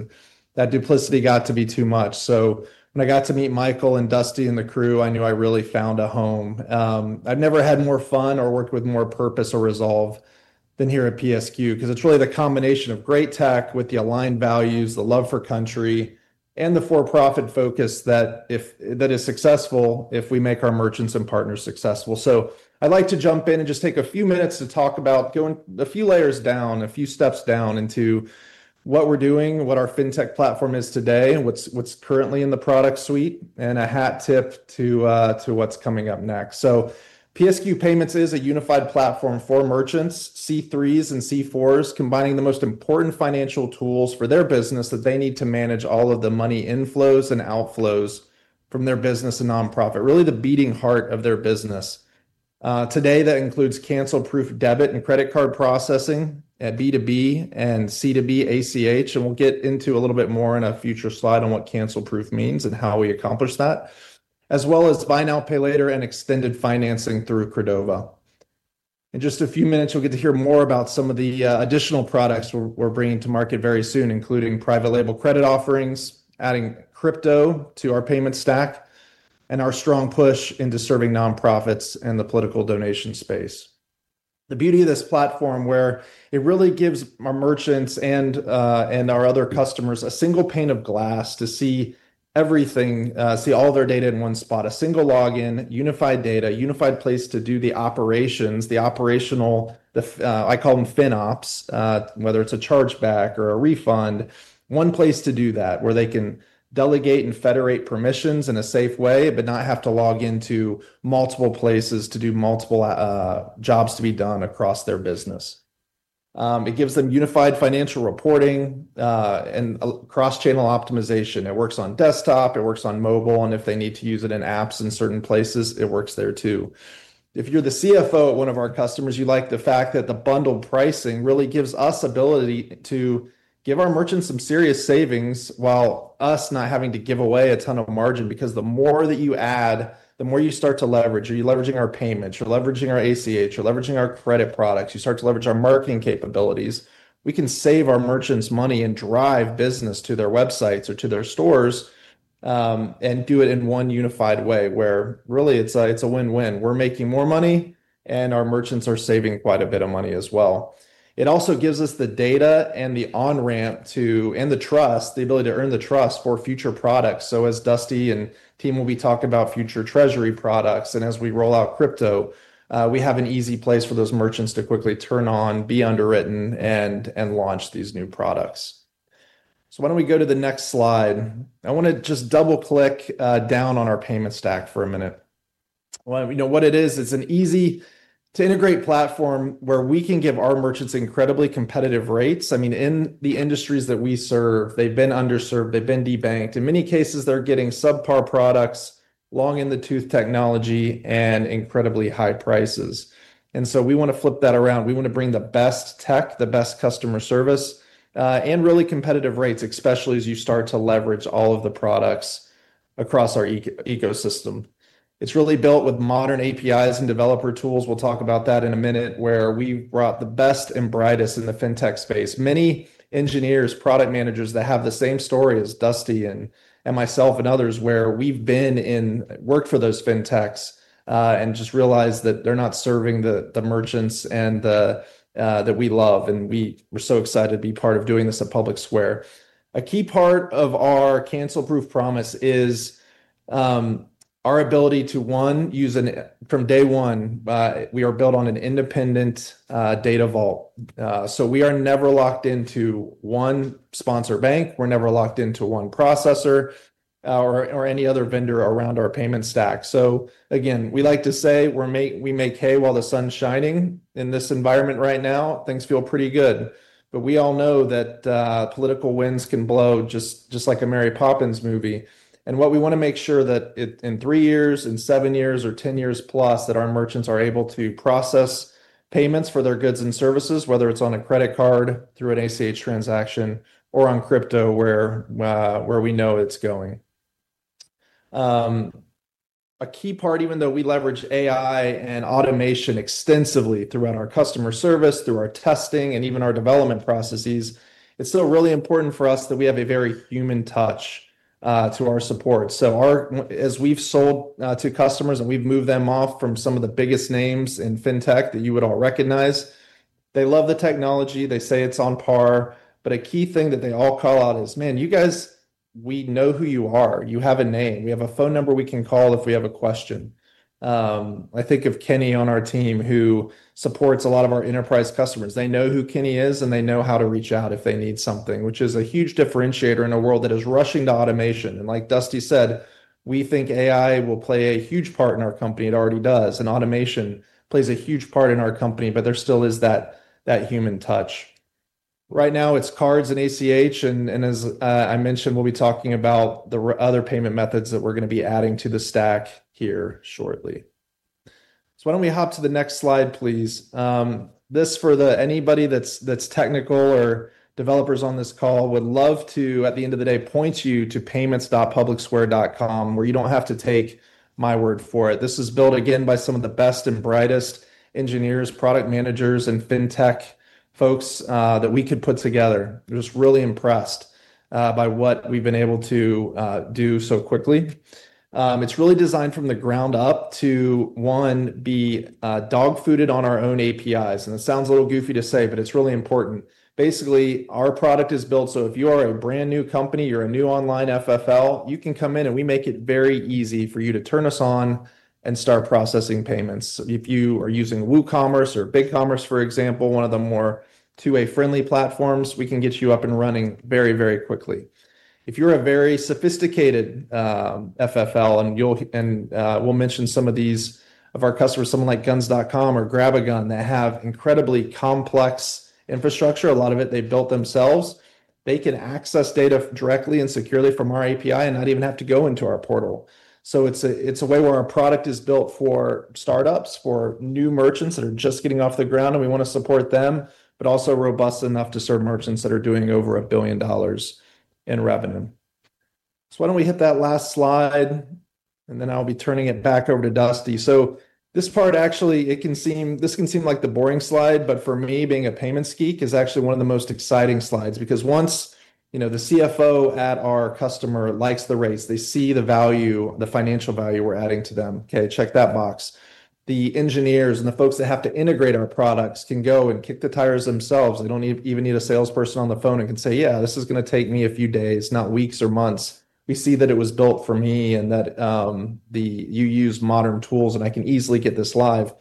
That duplicity got to be too much. When I got to meet Michael and Dusty and the crew, I knew I really found a home. I've never had more fun or worked with more purpose or resolve than here at PSQ because it's really the combination of great tech with the aligned values, the love for country, and the for-profit focus that is successful if we make our merchants and partners successful. I'd like to jump in and just take a few minutes to talk about going a few layers down, a few steps down into what we're doing, what our fintech platform is today, and what's currently in the product suite, and a hat tip to what's coming up next. PSQ Payments is a unified platform for merchants, C3s and C4s, combining the most important financial tools for their business that they need to manage all of the money inflows and outflows from their business and nonprofit, really the beating heart of their business. Today, that includes cancel-proof debit and credit card processing at B2B and C2B ACH, and we'll get into a little bit more in a future slide on what cancel-proof means and how we accomplish that, as well as buy now, pay later, and extended financing through Credova. In just a few minutes, you'll get to hear more about some of the additional products we're bringing to market very soon, including private label credit offerings, adding crypto to our payment stack, and our strong push into serving nonprofits and the political donation space. The beauty of this platform is where it really gives our merchants and our other customers a single pane of glass to see everything, see all of their data in one spot, a single login, unified data, unified place to do the operations, the operational, I call them fin ops, whether it's a chargeback or a refund, one place to do that, where they can delegate and federate permissions in a safe way, but not have to log into multiple places to do multiple jobs to be done across their business. It gives them unified financial reporting and cross-channel optimization. It works on desktop. It works on mobile. If they need to use it in apps in certain places, it works there too. If you're the CFO at one of our customers, you like the fact that the bundled pricing really gives us the ability to give our merchants some serious savings while us not having to give away a ton of margin because the more that you add, the more you start to leverage. You're leveraging our payments. You're leveraging our ACH. You're leveraging our credit products. You start to leverage our marketing capabilities. We can save our merchants money and drive business to their websites or to their stores and do it in one unified way, where really it's a win-win. We're making more money, and our merchants are saving quite a bit of money as well. It also gives us the data and the on-ramp to and the trust, the ability to earn the trust for future products. As Dusty and team will be talking about future treasury products, and as we roll out crypto, we have an easy place for those merchants to quickly turn on, be underwritten, and launch these new products. Why don't we go to the next slide? I want to just double-click down on our payment stack for a minute. It is an easy-to-integrate platform where we can give our merchants incredibly competitive rates. In the industries that we serve, they've been underserved. They've been debanked. In many cases, they're getting subpar products, long-in-the-tooth technology, and incredibly high prices. We want to flip that around. We want to bring the best tech, the best customer service, and really competitive rates, especially as you start to leverage all of the products across our ecosystem. It's really built with modern APIs and developer tools. We'll talk about that in a minute, where we brought the best and brightest in the fintech space. Many engineers, product managers that have the same story as Dusty and myself and others, where we've been in work for those fintechs and just realized that they're not serving the merchants that we love. We're so excited to be part of doing this at PublicSquare. A key part of our cancel-proof promise is our ability to, one, use from day one, we are built on an independent data vault. We are never locked into one sponsor bank. We're never locked into one processor or any other vendor around our payment stack. We like to say we make hay while the sun's shining. In this environment right now, things feel pretty good. We all know that political winds can blow just like a Mary Poppins movie. What we want to make sure is that in three years, in seven years, or 10 years plus, our merchants are able to process payments for their goods and services, whether it's on a credit card, through an ACH transaction, or on crypto, where we know it's going. A key part, even though we leverage AI and automation extensively throughout our customer service, through our testing, and even our development processes, it's still really important for us that we have a very human touch to our support. As we've sold to customers and we've moved them off from some of the biggest names in fintech that you would all recognize, they love the technology. They say it's on par. A key thing that they all call out is, "Man, you guys, we know who you are. You have a name. We have a phone number we can call if we have a question." I think of Kenny on our team, who supports a lot of our enterprise customers. They know who Kenny is, and they know how to reach out if they need something, which is a huge differentiator in a world that is rushing to automation. Like Dusty said, we think AI will play a huge part in our company. It already does. Automation plays a huge part in our company, but there still is that human touch. Right now, it's cards and ACH. As I mentioned, we'll be talking about the other payment methods that we're going to be adding to the stack here shortly. Why don't we hop to the next slide, please? For anybody that's technical or developers on this call, I would love to, at the end of the day, point you to payments.publicsquare.com, where you don't have to take my word for it. This is built again by some of the best and brightest engineers, product managers, and fintech folks that we could put together. We're just really impressed by what we've been able to do so quickly. It's really designed from the ground up to, one, be dogfooded on our own APIs. It sounds a little goofy to say, but it's really important. Basically, our product is built so if you are a brand new company, you're a new online FFL, you can come in, and we make it very easy for you to turn us on and start processing payments. If you are using WooCommerce or BigCommerce, for example, one of the more two-way friendly platforms, we can get you up and running very, very quickly. If you're a very sophisticated FFL, and we'll mention some of these of our customers, someone like guns.com or GrabAGun, that have incredibly complex infrastructure, a lot of it they've built themselves, they can access data directly and securely from our API and not even have to go into our portal. It's a way where our product is built for startups, for new merchants that are just getting off the ground, and we want to support them, but also robust enough to serve merchants that are doing over a billion dollars in revenue. Why don't we hit that last slide, and then I'll be turning it back over to Dusty. This part actually can seem like the boring slide, but for me, being a payments geek is actually one of the most exciting slides because once the CFO at our customer likes the race, they see the value, the financial value we're adding to them. OK, check that box. The engineers and the folks that have to integrate our products can go and kick the tires themselves. They don't even need a salesperson on the phone and can say, "Yeah, this is going to take me a few days, not weeks or months." We see that it was built for me and that you use modern tools, and I can easily get this live.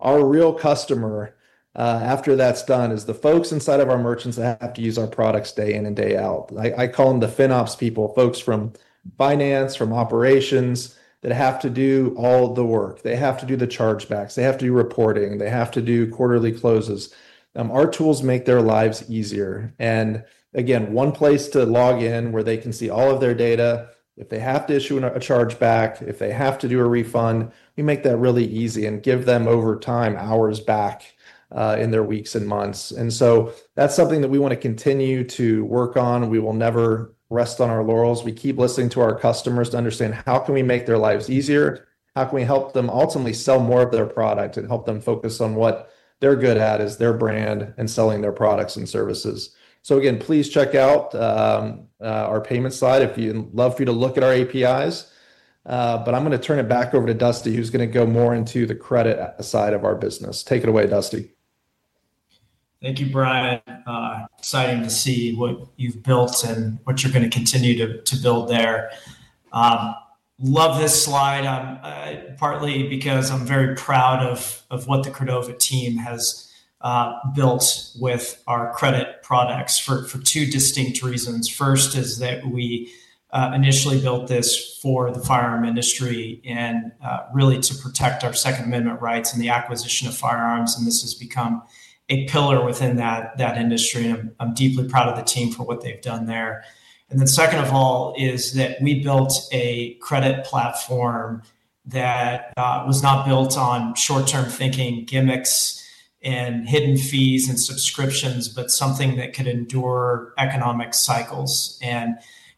Our real customer, after that's done, is the folks inside of our merchants that have to use our products day in and day out. I call them the fin ops people, folks from finance, from operations that have to do all the work. They have to do the chargebacks. They have to do reporting. They have to do quarterly closes. Our tools make their lives easier. Again, one place to log in where they can see all of their data. If they have to issue a chargeback, if they have to do a refund, we make that really easy and give them, over time, hours back in their weeks and months. That is something that we want to continue to work on. We will never rest on our laurels. We keep listening to our customers to understand how we can make their lives easier. How can we help them ultimately sell more of their product and help them focus on what they're good at, which is their brand and selling their products and services? Please check out our payment slide. I'd love for you to look at our APIs. I'm going to turn it back over to Dusty, who's going to go more into the credit side of our business. Take it away, Dusty. Thank you, Brian. Exciting to see what you've built and what you're going to continue to build there. Love this slide partly because I'm very proud of what the Credova team has built with our credit products for two distinct reasons. First is that we initially built this for the firearm industry and really to protect our Second Amendment rights and the acquisition of firearms. This has become a pillar within that industry. I'm deeply proud of the team for what they've done there. Second of all is that we built a credit platform that was not built on short-term thinking, gimmicks, and hidden fees and subscriptions, but something that could endure economic cycles.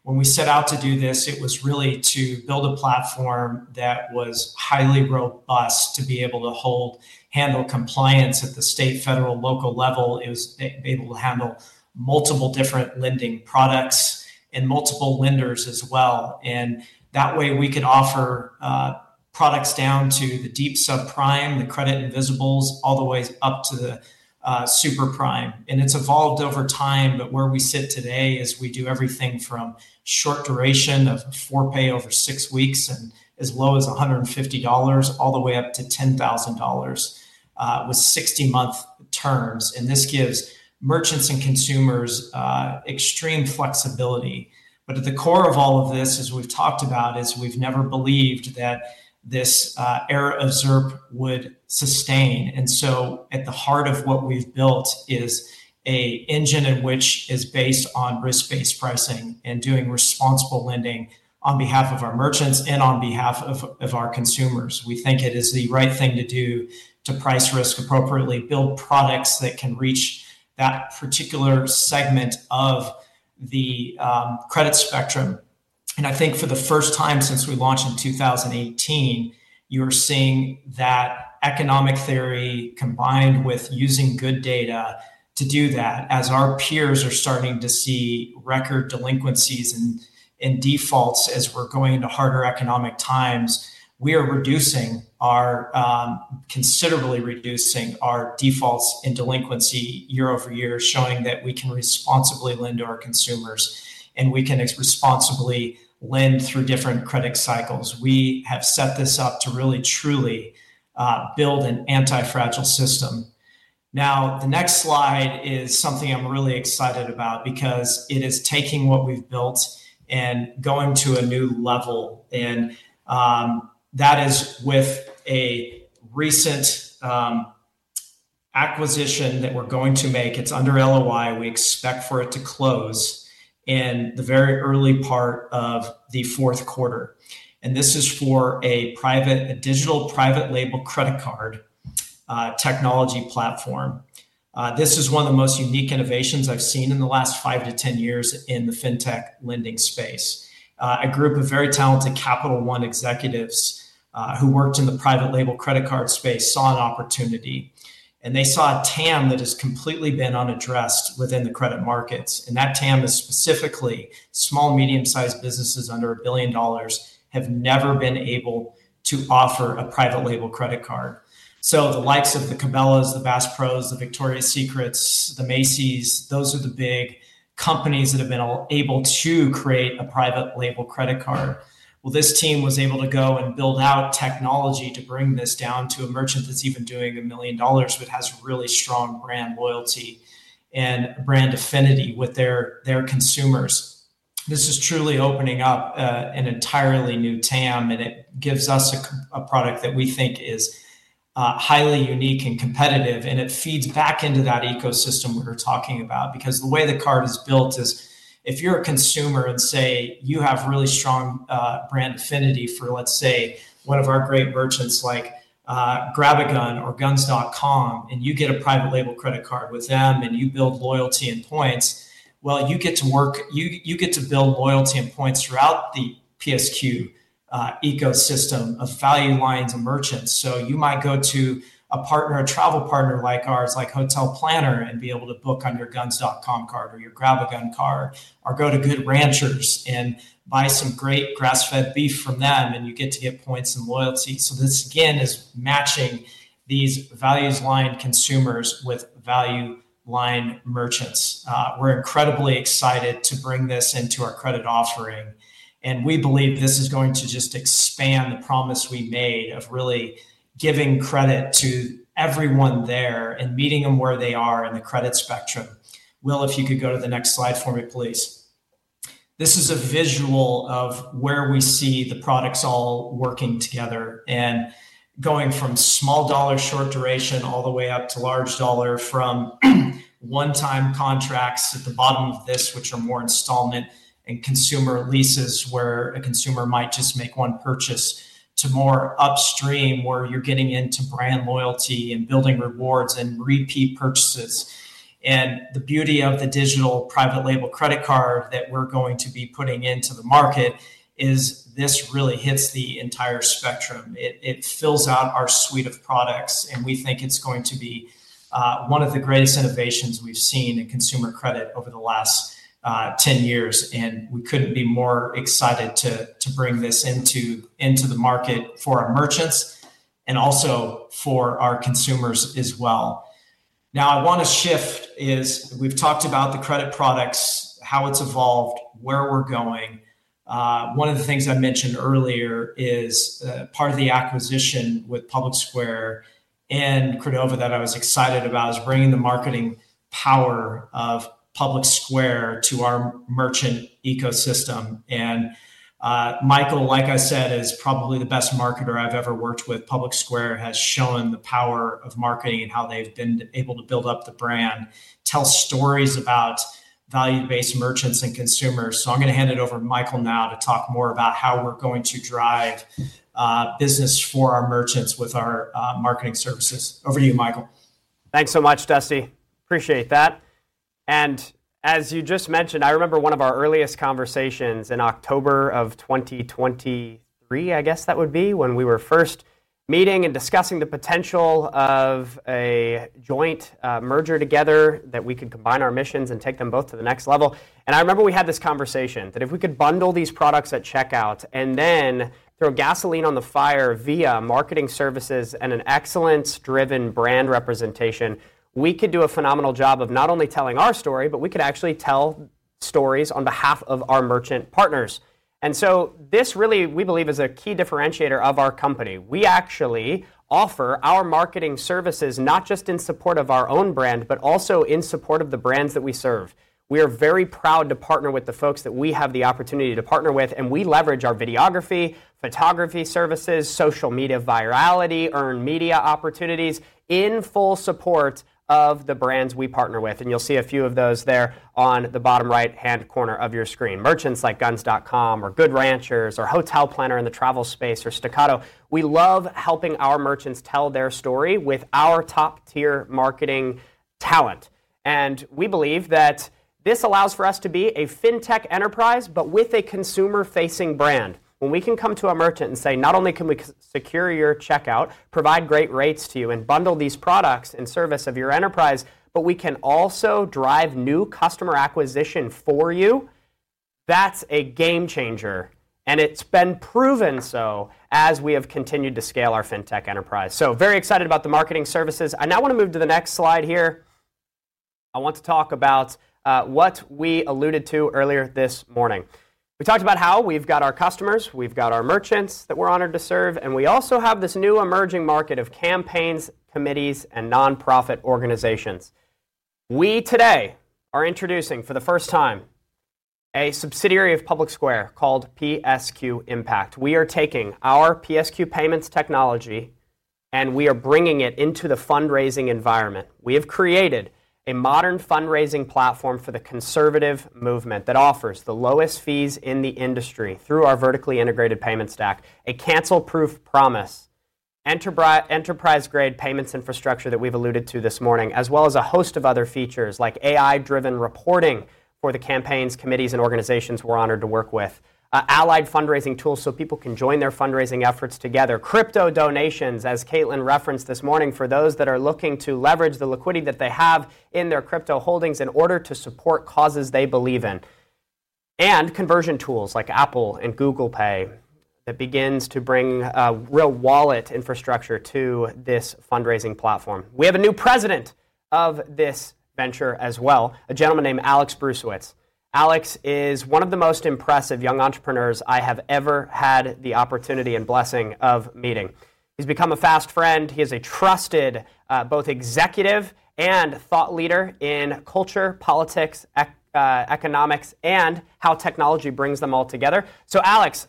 When we set out to do this, it was really to build a platform that was highly robust to be able to handle compliance at the state, federal, and local level. It was able to handle multiple different lending products and multiple lenders as well. That way, we could offer products down to the deep sub-prime, the credit invisibles, all the way up to the super-prime. It's evolved over time. Where we sit today is we do everything from short duration of forepay over six weeks and as low as $150 all the way up to $10,000 with 60-month terms. This gives merchants and consumers extreme flexibility. At the core of all of this, as we've talked about, is we've never believed that this era of [Zerk] would sustain. At the heart of what we've built is an engine which is based on risk-based pricing and doing responsible lending on behalf of our merchants and on behalf of our consumers. We think it is the right thing to do to price risk appropriately, build products that can reach that particular segment of the credit spectrum. I think for the first time since we launched in 2018, you're seeing that economic theory combined with using good data to do that. As our peers are starting to see record delinquencies and defaults as we're going into harder economic times, we are considerably reducing our defaults and delinquency year over year, showing that we can responsibly lend to our consumers, and we can responsibly lend through different credit cycles. We have set this up to really, truly build an anti-fragile system. The next slide is something I'm really excited about because it is taking what we've built and going to a new level. That is with a recent acquisition that we're going to make. It's under LOI. We expect for it to close in the very early part of the fourth quarter. This is for a digital private label credit card technology platform. This is one of the most unique innovations I've seen in the last 5-10 years in the fintech lending space. A group of very talented Capital One executives who worked in the private label credit card space saw an opportunity, and they saw a TAM that has completely been unaddressed within the credit markets. That TAM is specifically small, medium-sized businesses under $1 billion have never been able to offer a private label credit card. The likes of the Cabela's, the Bass Pro's, the Victoria's Secrets, the Macy's, those are the big companies that have been able to create a private label credit card. This team was able to go and build out technology to bring this down to a merchant that's even doing $1 million but has really strong brand loyalty and brand affinity with their consumers. This is truly opening up an entirely new TAM, and it gives us a product that we think is highly unique and competitive, and it feeds back into that ecosystem we were talking about. The way the card is built is if you're a consumer and say you have really strong brand affinity for, let's say, one of our great merchants like GrabAGun or guns.com, and you get a private label credit card with them, and you build loyalty and points, you get to build loyalty and points throughout the PSQ ecosystem of value lines of merchants. You might go to a partner, a travel partner like ours, like Hotel Planner, and be able to book on your guns.com card or your GrabAGun card, or go to Good Ranchers and buy some great grass-fed beef from them, and you get to get points and loyalty. This, again, is matching these values-aligned consumers with value-line merchants. We're incredibly excited to bring this into our credit offering, and we believe this is going to just expand the promise we made of really giving credit to everyone there and meeting them where they are on the credit spectrum. Will, if you could go to the next slide for me, please. This is a visual of where we see the products all working together and going from small dollar short duration all the way up to large dollar from one-time contracts at the bottom of this, which are more installment and consumer leases, where a consumer might just make one purchase, to more upstream, where you're getting into brand loyalty and building rewards and repeat purchases. The beauty of the digital private label credit card that we're going to be putting into the market is this really hits the entire spectrum. It fills out our suite of products, and we think it's going to be one of the greatest innovations we've seen in consumer credit over the last 10 years. We couldn't be more excited to bring this into the market for our merchants and also for our consumers as well. Now, I want to shift. We've talked about the credit products, how it's evolved, where we're going. One of the things I mentioned earlier is part of the acquisition with PublicSquare and Credova that I was excited about is bringing the marketing power of PublicSquare to our merchant ecosystem. Michael, like I said, is probably the best marketer I've ever worked with. PublicSquare has shown the power of marketing and how they've been able to build up the brand, tell stories about value-based merchants and consumers. I'm going to hand it over to Michael now to talk more about how we're going to drive business for our merchants with our marketing services. Over to you, Michael. Thanks so much, Dusty. Appreciate that. As you just mentioned, I remember one of our earliest conversations in October of 2023, I guess that would be, when we were first meeting and discussing the potential of a joint merger together that we could combine our missions and take them both to the next level. I remember we had this conversation that if we could bundle these products at checkout and then throw gasoline on the fire via marketing services and an excellence-driven brand representation, we could do a phenomenal job of not only telling our story, but we could actually tell stories on behalf of our merchant partners. This really, we believe, is a key differentiator of our company. We actually offer our marketing services not just in support of our own brand, but also in support of the brands that we serve. We are very proud to partner with the folks that we have the opportunity to partner with, and we leverage our videography, photography services, social media virality, earned media opportunities in full support of the brands we partner with. You'll see a few of those there on the bottom right-hand corner of your screen. Merchants like guns.com or Good Ranchers or Hotel Planner in the travel space or Staccato, we love helping our merchants tell their story with our top-tier marketing talent. We believe that this allows for us to be a fintech enterprise, but with a consumer-facing brand. When we can come to a merchant and say, not only can we secure your checkout, provide great rates to you, and bundle these products in service of your enterprise, but we can also drive new customer acquisition for you, that's a game changer. It's been proven so as we have continued to scale our fintech enterprise. Very excited about the marketing services. I now want to move to the next slide here. I want to talk about what we alluded to earlier this morning. We talked about how we've got our customers, we've got our merchants that we're honored to serve, and we also have this new emerging market of campaigns, committees, and nonprofit organizations. We today are introducing for the first time a subsidiary of PublicSquare called PSQ Impact. We are taking our PSQ Payments technology, and we are bringing it into the fundraising environment. We have created a modern fundraising platform for the conservative movement that offers the lowest fees in the industry through our vertically integrated payment stack, a cancel-proof promise, enterprise-grade payments infrastructure that we've alluded to this morning, as well as a host of other features like AI-driven reporting for the campaigns, committees, and organizations we're honored to work with, allied fundraising tools so people can join their fundraising efforts together, crypto donations, as Caitlin referenced this morning, for those that are looking to leverage the liquidity that they have in their crypto holdings in order to support causes they believe in, and conversion tools like Apple and Google Pay that begin to bring real wallet infrastructure to this fundraising platform. We have a new President of this venture as well, a gentleman named Alex Bruesewitz. Alex is one of the most impressive young entrepreneurs I have ever had the opportunity and blessing of meeting. He's become a fast friend. He is a trusted both executive and thought leader in culture, politics, economics, and how technology brings them all together. Alex,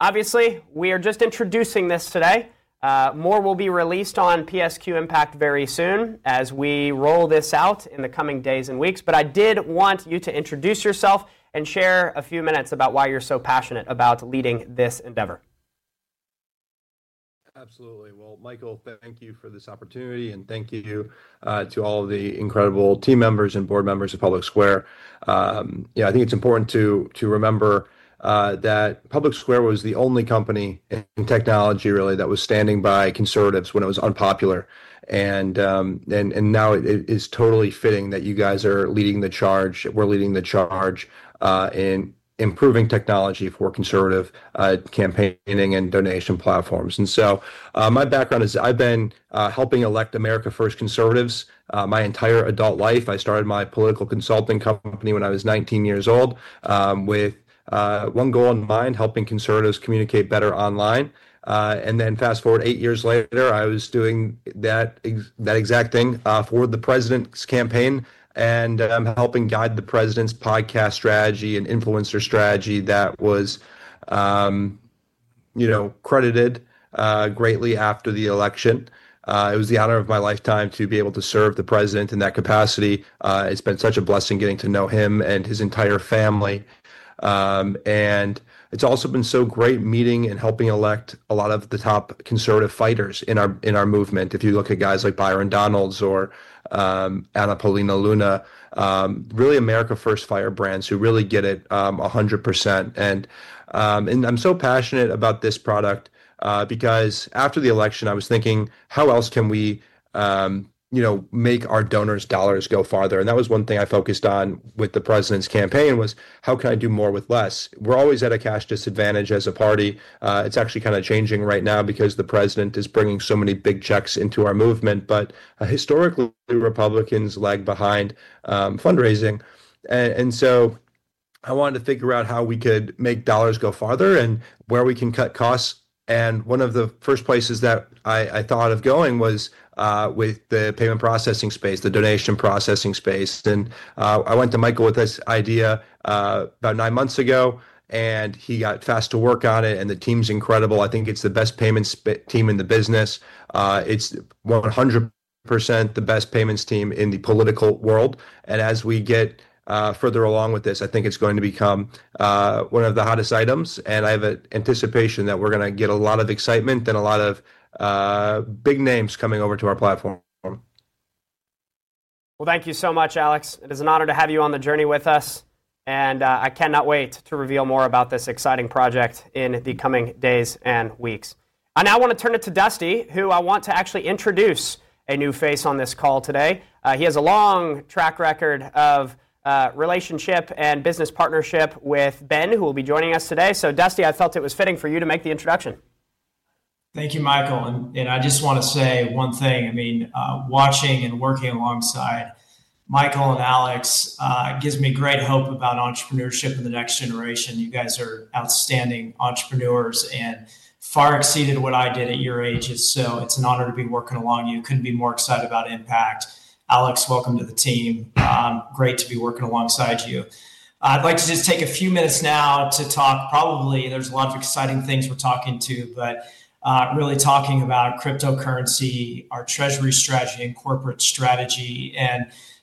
obviously, we are just introducing this today. More will be released on PSQ Impact very soon as we roll this out in the coming days and weeks. I did want you to introduce yourself and share a few minutes about why you're so passionate about leading this endeavor. Absolutely. Michael, thank you for this opportunity, and thank you to all of the incredible team members and Board Members of PublicSquare. I think it's important to remember that PublicSquare was the only company in technology, really, that was standing by conservatives when it was unpopular. It is totally fitting that you guys are leading the charge. We're leading the charge in improving technology for conservative campaigning and donation platforms. My background is I've been helping elect America First conservatives my entire adult life. I started my political consulting company when I was 19 years old with one goal in mind, helping conservatives communicate better online. Fast forward eight years later, I was doing that exact thing for the president's campaign, and I'm helping guide the president's podcast strategy and influencer strategy that was credited greatly after the election. It was the honor of my lifetime to be able to serve the president in that capacity. It's been such a blessing getting to know him and his entire family. It's also been so great meeting and helping elect a lot of the top conservative fighters in our movement. If you look at guys like Byron Donalds or Anna Paulina Luna, really America First firebrands who really get it 100%. I'm so passionate about this product because after the election, I was thinking, how else can we make our donors' dollars go farther? That was one thing I focused on with the president's campaign, how can I do more with less? We're always at a cash disadvantage as a party. It's actually kind of changing right now because the president is bringing so many big checks into our movement. Historically, Republicans lag behind fundraising. I wanted to figure out how we could make dollars go farther and where we can cut costs. One of the first places that I thought of going was with the payment processing space, the donation processing space. I went to Michael with this idea about nine months ago, and he got fast to work on it. The team's incredible. I think it's the best payments team in the business. It's 100% the best payments team in the political world. As we get further along with this, I think it's going to become one of the hottest items. I have an anticipation that we're going to get a lot of excitement and a lot of big names coming over to our platform. Thank you so much, Alex. It is an honor to have you on the journey with us. I cannot wait to reveal more about this exciting project in the coming days and weeks. I now want to turn it to Dusty, who I want to actually introduce a new face on this call today. He has a long track record of relationship and business partnership with Ben, who will be joining us today. Dusty, I felt it was fitting for you to make the introduction. Thank you, Michael. I just want to say one thing. Watching and working alongside Michael and Alex gives me great hope about entrepreneurship in the next generation. You guys are outstanding entrepreneurs and far exceeded what I did at your ages. It's an honor to be working along. You couldn't be more excited about Impact. Alex, welcome to the team. Great to be working alongside you. I'd like to just take a few minutes now to talk. Probably there's a lot of exciting things we're talking to, but really talking about cryptocurrency, our treasury strategy, and corporate strategy.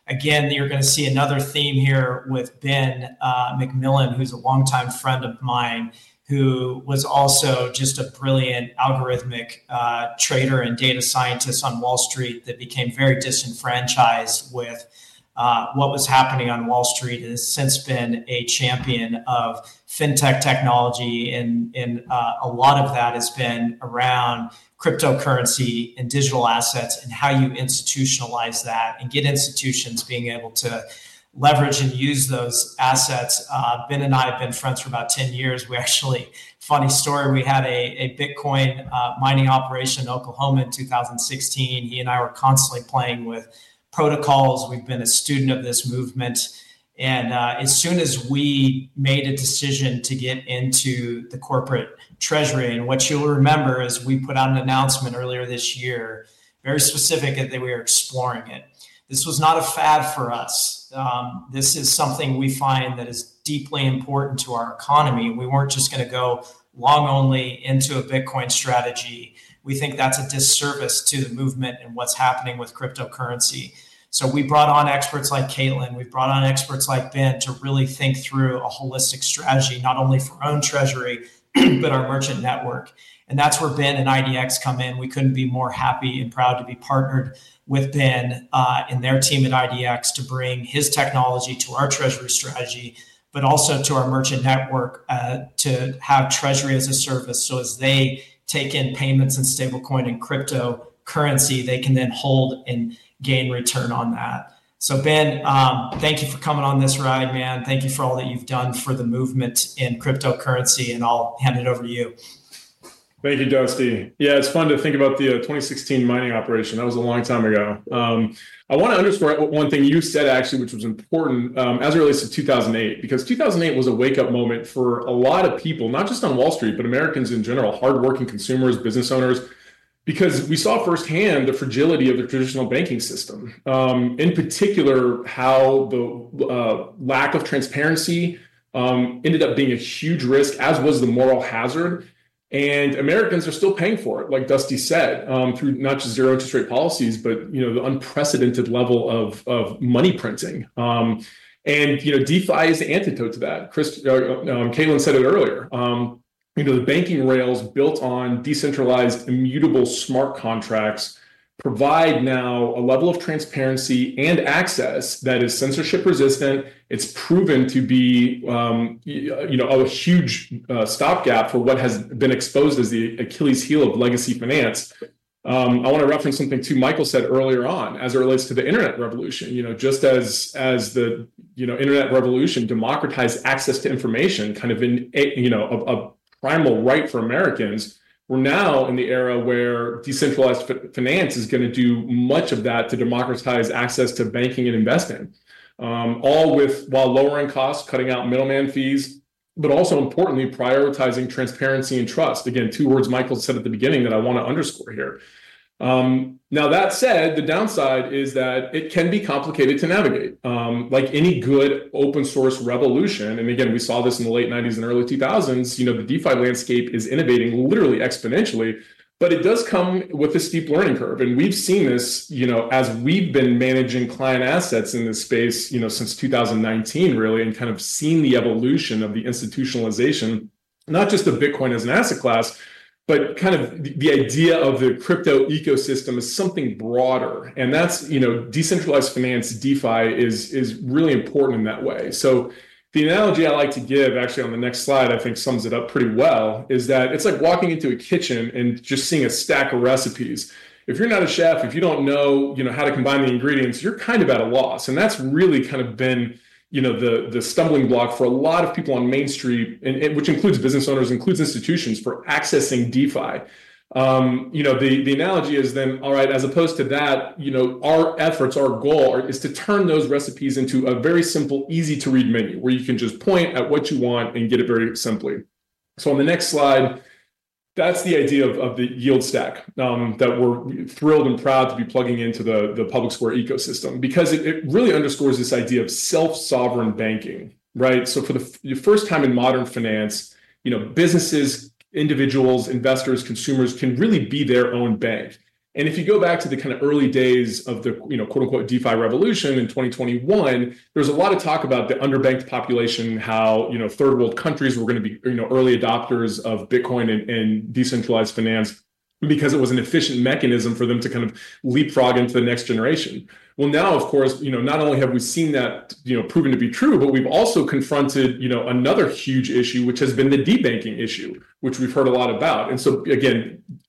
Again, you're going to see another theme here with Ben McMillan, who's a longtime friend of mine, who was also just a brilliant algorithmic trader and data scientist on Wall Street that became very disenfranchised with what was happening on Wall Street. He has since been a champion of fintech technology, and a lot of that has been around cryptocurrency and digital assets and how you institutionalize that and get institutions being able to leverage and use those assets. Ben and I have been friends for about 10 years. Funny story, we had a Bitcoin mining operation in Oklahoma in 2016. He and I were constantly playing with protocols. We've been a student of this movement. As soon as we made a decision to get into the corporate treasury, and what you'll remember is we put out an announcement earlier this year, very specific that we were exploring it. This was not a fad for us. This is something we find that is deeply important to our economy. We weren't just going to go long only into a Bitcoin strategy. We think that's a disservice to the movement and what's happening with cryptocurrency. We brought on experts like Caitlin. We brought on experts like Ben to really think through a holistic strategy, not only for our own treasury, but our merchant network. That's where Ben and IDX come in. We couldn't be more happy and proud to be partnered with Ben and their team at IDX to bring his technology to our treasury strategy, but also to our merchant network to have treasury as a service. As they take in payments in stablecoin and cryptocurrency, they can then hold and gain return on that. Ben, thank you for coming on this ride, man. Thank you for all that you've done for the movement in cryptocurrency. I'll hand it over to you. Thank you, Dusty. Yeah, it's fun to think about the 2016 mining operation. That was a long time ago. I want to underscore one thing you said, actually, which was important as it relates to 2008, because 2008 was a wake-up moment for a lot of people, not just on Wall Street, but Americans in general, hardworking consumers, business owners, because we saw firsthand the fragility of the traditional banking system, in particular how the lack of transparency ended up being a huge risk, as was the moral hazard. Americans are still paying for it, like Dusty said, through not just zero interest rate policies, but the unprecedented level of money printing. DeFi is the antidote to that. Chris, Caitlin said it earlier. The banking rails built on decentralized, immutable smart contracts provide now a level of transparency and access that is censorship-resistant. It's proven to be a huge stopgap for what has been exposed as the Achilles heel of legacy finance. I want to reference something too Michael said earlier on as it relates to the internet revolution. Just as the internet revolution democratized access to information, kind of in a primal right for Americans, we're now in the era where decentralized finance is going to do much of that to democratize access to banking and investing, all while lowering costs, cutting out middleman fees, but also importantly prioritizing transparency and trust. Again, two words Michael said at the beginning that I want to underscore here. Now that said, the downside is that it can be complicated to navigate. Like any good open source revolution, and again, we saw this in the late 1990s and early 2000s, the DeFi landscape is innovating literally exponentially, but it does come with a steep learning curve. We've seen this as we've been managing client assets in this space since 2019, really, and kind of seen the evolution of the institutionalization, not just of Bitcoin as an asset class, but kind of the idea of the crypto ecosystem as something broader. That's decentralized finance. DeFi is really important in that way. The analogy I like to give, actually on the next slide, I think sums it up pretty well, is that it's like walking into a kitchen and just seeing a stack of recipes. If you're not a chef, if you don't know how to combine the ingredients, you're kind of at a loss. That's really kind of been the stumbling block for a lot of people on Main Street, which includes business owners, includes institutions for accessing DeFi. The analogy is then, all right, as opposed to that, our efforts, our goal is to turn those recipes into a very simple, easy-to-read menu where you can just point at what you want and get it very simply. On the next slide, that's the idea of the yield stack that we're thrilled and proud to be plugging into the PublicSquare ecosystem because it really underscores this idea of self-sovereign banking. Right? For the first time in modern finance, businesses, individuals, investors, consumers can really be their own bank. If you go back to the early days of the, you know, quote unquote DeFi revolution in 2021, there was a lot of talk about the underbanked population, how, you know, third world countries were going to be, you know, early adopters of Bitcoin and decentralized finance because it was an efficient mechanism for them to leapfrog into the next generation. Of course, you know, not only have we seen that proven to be true, but we've also confronted another huge issue, which has been the debanking issue, which we've heard a lot about.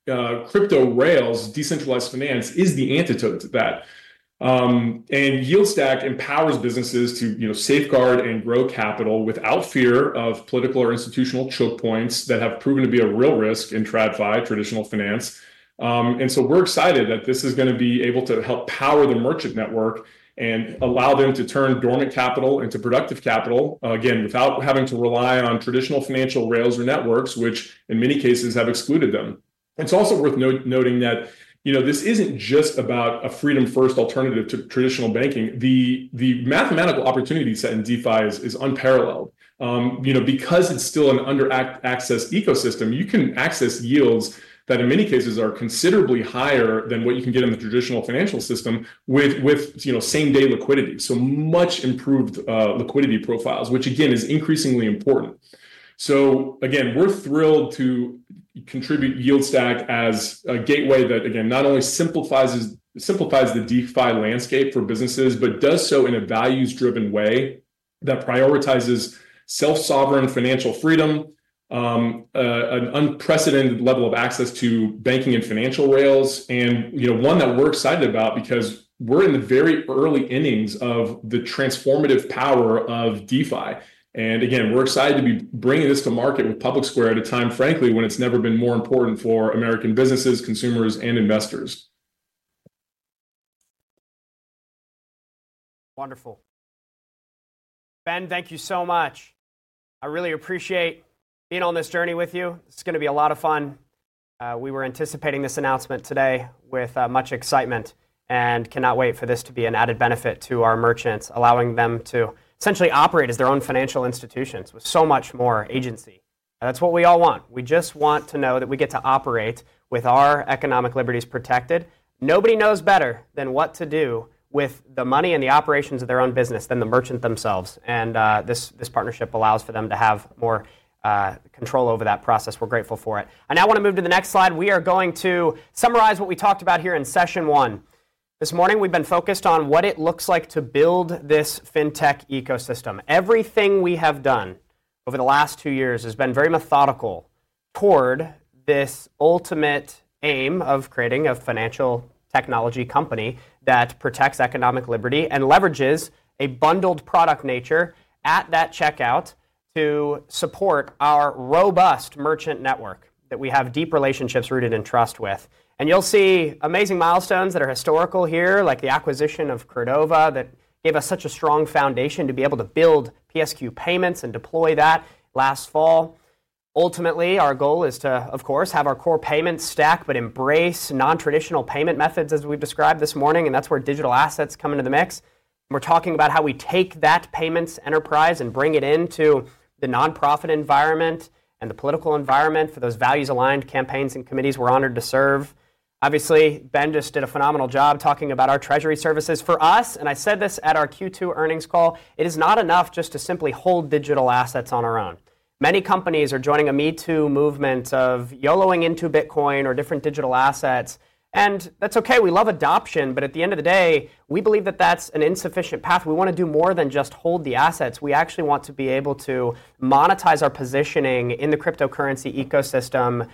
Crypto rails, decentralized finance is the antidote to that, and yield stack empowers businesses to safeguard and grow capital without fear of political or institutional choke points that have proven to be a real risk in TradFi, traditional finance. We're excited that this is going to be able to help power the merchant network and allow them to turn dormant capital into productive capital, again, without having to rely on traditional financial rails or networks, which in many cases have excluded them. It's also worth noting that this isn't just about a freedom-first alternative to traditional banking. The mathematical opportunity set in DeFi is unparalleled. Because it's still an under-accessed ecosystem, you can access yields that in many cases are considerably higher than what you can get in the traditional financial system with same-day liquidity. Much improved liquidity profiles, which again is increasingly important. We're thrilled to contribute yield stack as a gateway that not only simplifies the DeFi landscape for businesses, but does so in a values-driven way that prioritizes self-sovereign financial freedom, an unprecedented level of access to banking and financial rails, and one that we're excited about because we're in the very early innings of the transformative power of DeFi. We're excited to be bringing this to market with PublicSquare at a time, frankly, when it's never been more important for American businesses, consumers, and investors. Wonderful. Ben, thank you so much. I really appreciate being on this journey with you. It's going to be a lot of fun. We were anticipating this announcement today with much excitement and cannot wait for this to be an added benefit to our merchants, allowing them to essentially operate as their own financial institutions with so much more agency. That's what we all want. We just want to know that we get to operate with our economic liberties protected. Nobody knows better than what to do with the money and the operations of their own business than the merchant themselves. This partnership allows for them to have more control over that process. We're grateful for it. I now want to move to the next slide. We are going to summarize what we talked about here in session one. This morning, we've been focused on what it looks like to build this fintech ecosystem. Everything we have done over the last two years has been very methodical toward this ultimate aim of creating a financial technology company that protects economic liberty and leverages a bundled product nature at that checkout to support our robust merchant network that we have deep relationships rooted in trust with. You'll see amazing milestones that are historical here, like the acquisition of Credova that gave us such a strong foundation to be able to build PSQ Payments and deploy that last fall. Ultimately, our goal is to, of course, have our core payments stack, but embrace non-traditional payment methods as we've described this morning. That's where digital assets come into the mix. We're talking about how we take that payments enterprise and bring it into the nonprofit environment and the political environment for those values-aligned campaigns and committees we're honored to serve. Obviously, Ben just did a phenomenal job talking about our treasury services for us. I said this at our Q2 earnings call. It is not enough just to simply hold digital assets on our own. Many companies are joining a #MeToo movement of YOLOing into Bitcoin or different digital assets. That's okay. We love adoption, but at the end of the day, we believe that that's an insufficient path. We want to do more than just hold the assets. We actually want to be able to monetize our positioning in the cryptocurrency ecosystem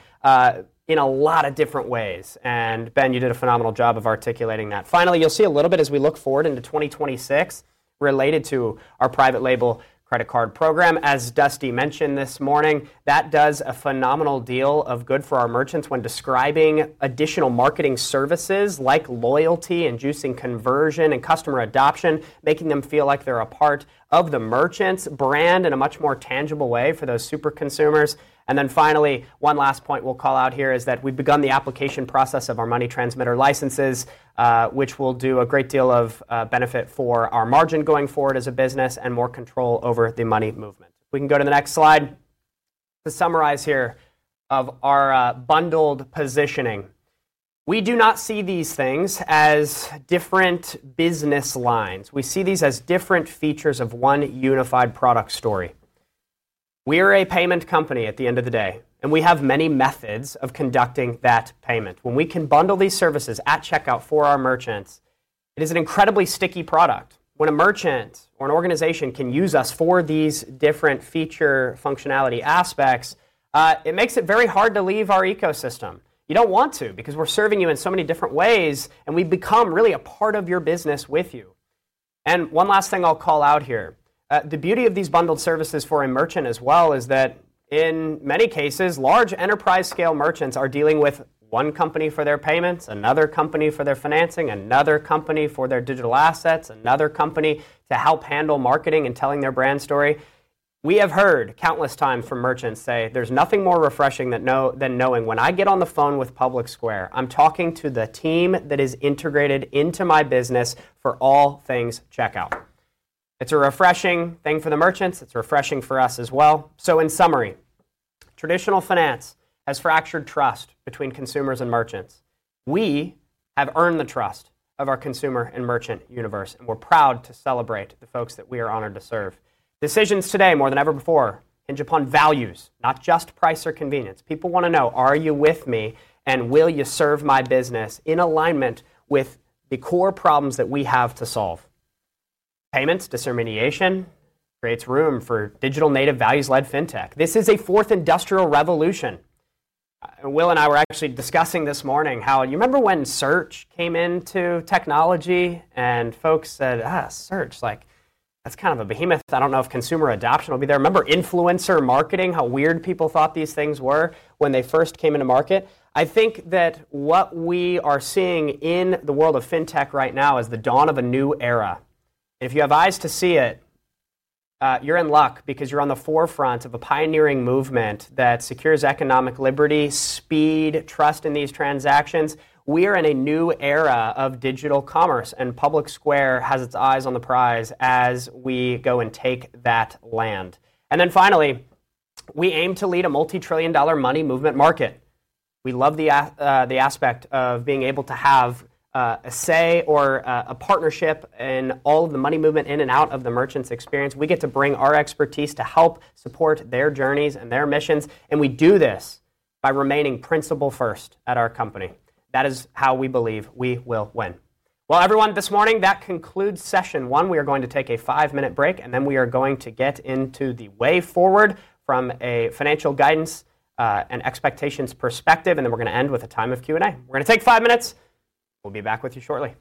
in a lot of different ways. Ben, you did a phenomenal job of articulating that. Finally, you'll see a little bit as we look forward into 2026 related to our private label credit card program. As Dusty mentioned this morning, that does a phenomenal deal of good for our merchants when describing additional marketing services like loyalty and juicing conversion and customer adoption, making them feel like they're a part of the merchant's brand in a much more tangible way for those super consumers. One last point we'll call out here is that we've begun the application process of our money transmitter licenses, which will do a great deal of benefit for our margin going forward as a business and more control over the money movement. We can go to the next slide to summarize here of our bundled positioning. We do not see these things as different business lines. We see these as different features of one unified product story. We are a payment company at the end of the day, and we have many methods of conducting that payment. When we can bundle these services at checkout for our merchants, it is an incredibly sticky product. When a merchant or an organization can use us for these different feature functionality aspects, it makes it very hard to leave our ecosystem. You don't want to because we're serving you in so many different ways, and we become really a part of your business with you. The beauty of these bundled services for a merchant as well is that in many cases, large enterprise-scale merchants are dealing with one company for their payments, another company for their financing, another company for their digital assets, another company to help handle marketing and telling their brand story. We have heard countless times from merchants say there's nothing more refreshing than knowing when I get on the phone with PublicSquare, I'm talking to the team that is integrated into my business for all things checkout. It's a refreshing thing for the merchants. It's refreshing for us as well. In summary, traditional finance has fractured trust between consumers and merchants. We have earned the trust of our consumer and merchant universe, and we're proud to celebrate the folks that we are honored to serve. Decisions today, more than ever before, hinge upon values, not just price or convenience. People want to know, are you with me and will you serve my business in alignment with the core problems that we have to solve? Payments, discrimination creates room for digital native values-led fintech. This is a fourth industrial revolution. Will and I were actually discussing this morning how, you remember when search came into technology and folks said, search, like that's kind of a behemoth. I don't know if consumer adoption will be there. Remember influencer marketing, how weird people thought these things were when they first came into market? I think that what we are seeing in the world of fintech right now is the dawn of a new era. If you have eyes to see it, you're in luck because you're on the forefront of a pioneering movement that secures economic liberty, speed, trust in these transactions. We are in a new era of digital commerce, and PublicSquare has its eyes on the prize as we go and take that land. Finally, we aim to lead a multi-trillion dollar money movement market. We love the aspect of being able to have a say or a partnership in all of the money movement in and out of the merchant's experience. We get to bring our expertise to help support their journeys and their missions, and we do this by remaining principle-first at our company. That is how we believe we will win. Everyone, this morning, that concludes session one. We are going to take a five-minute break, and then we are going to get into the way forward from a financial guidance and expectations perspective. We're going to end with a time of Q&A. We're going to take five minutes. We'll be back with you shortly.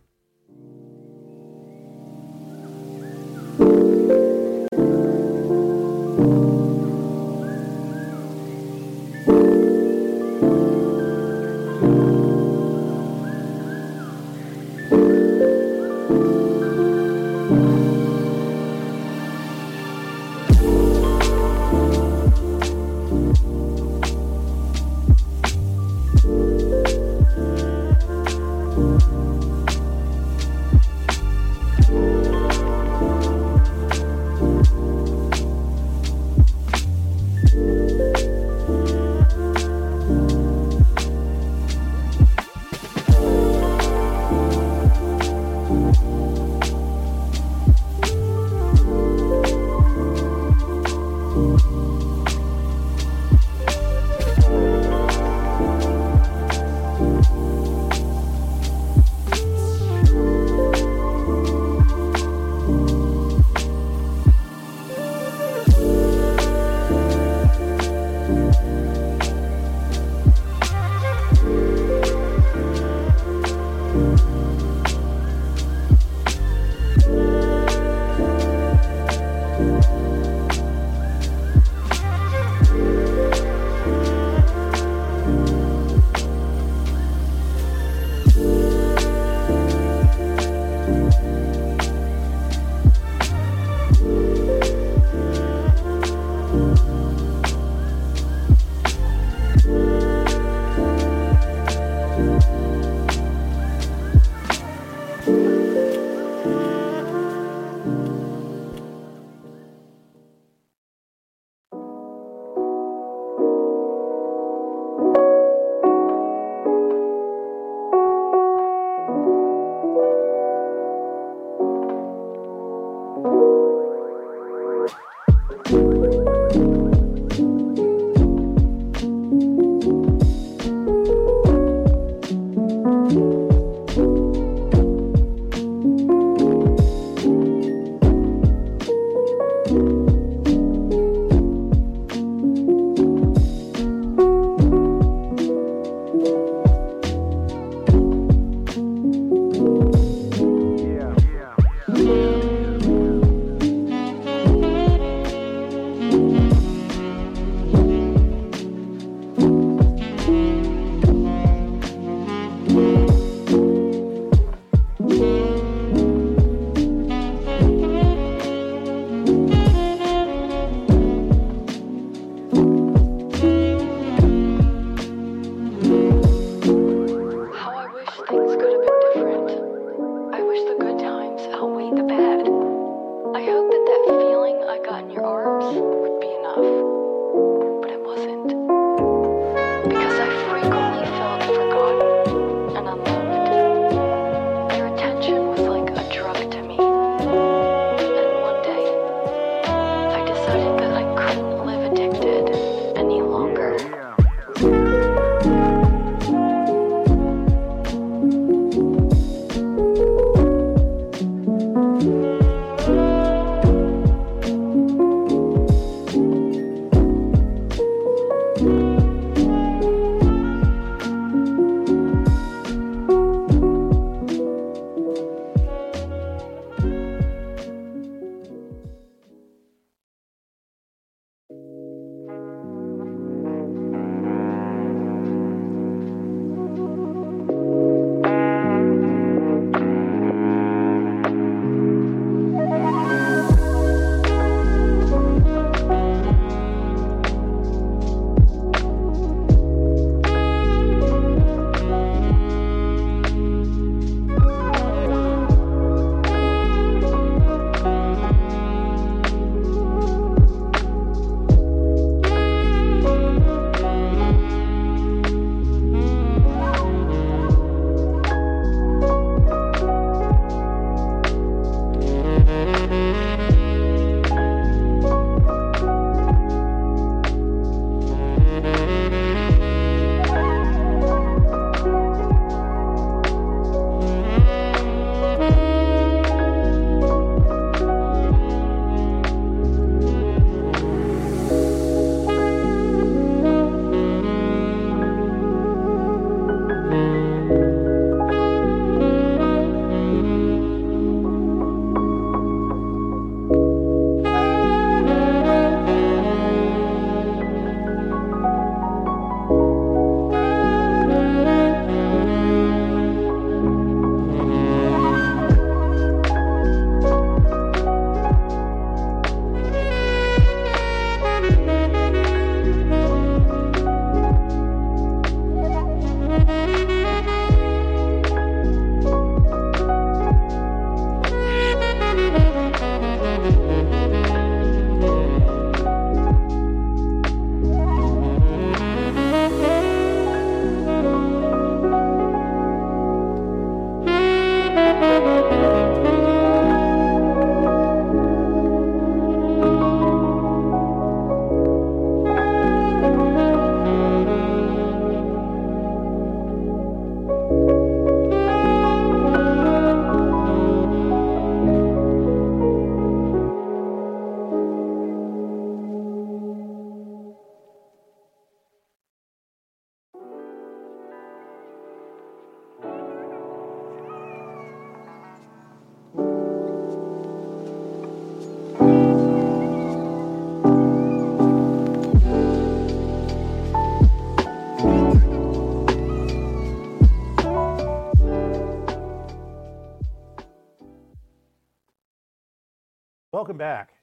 It's been a bit different. I wish the good times outweighed the bad. I hope that that feeling I got in your arms would be enough. It wasn't, because I frequently thought you were good and I'm not. Your attention was like a drug to me. One day, I decided that I couldn't live addicted any longer. Welcome back.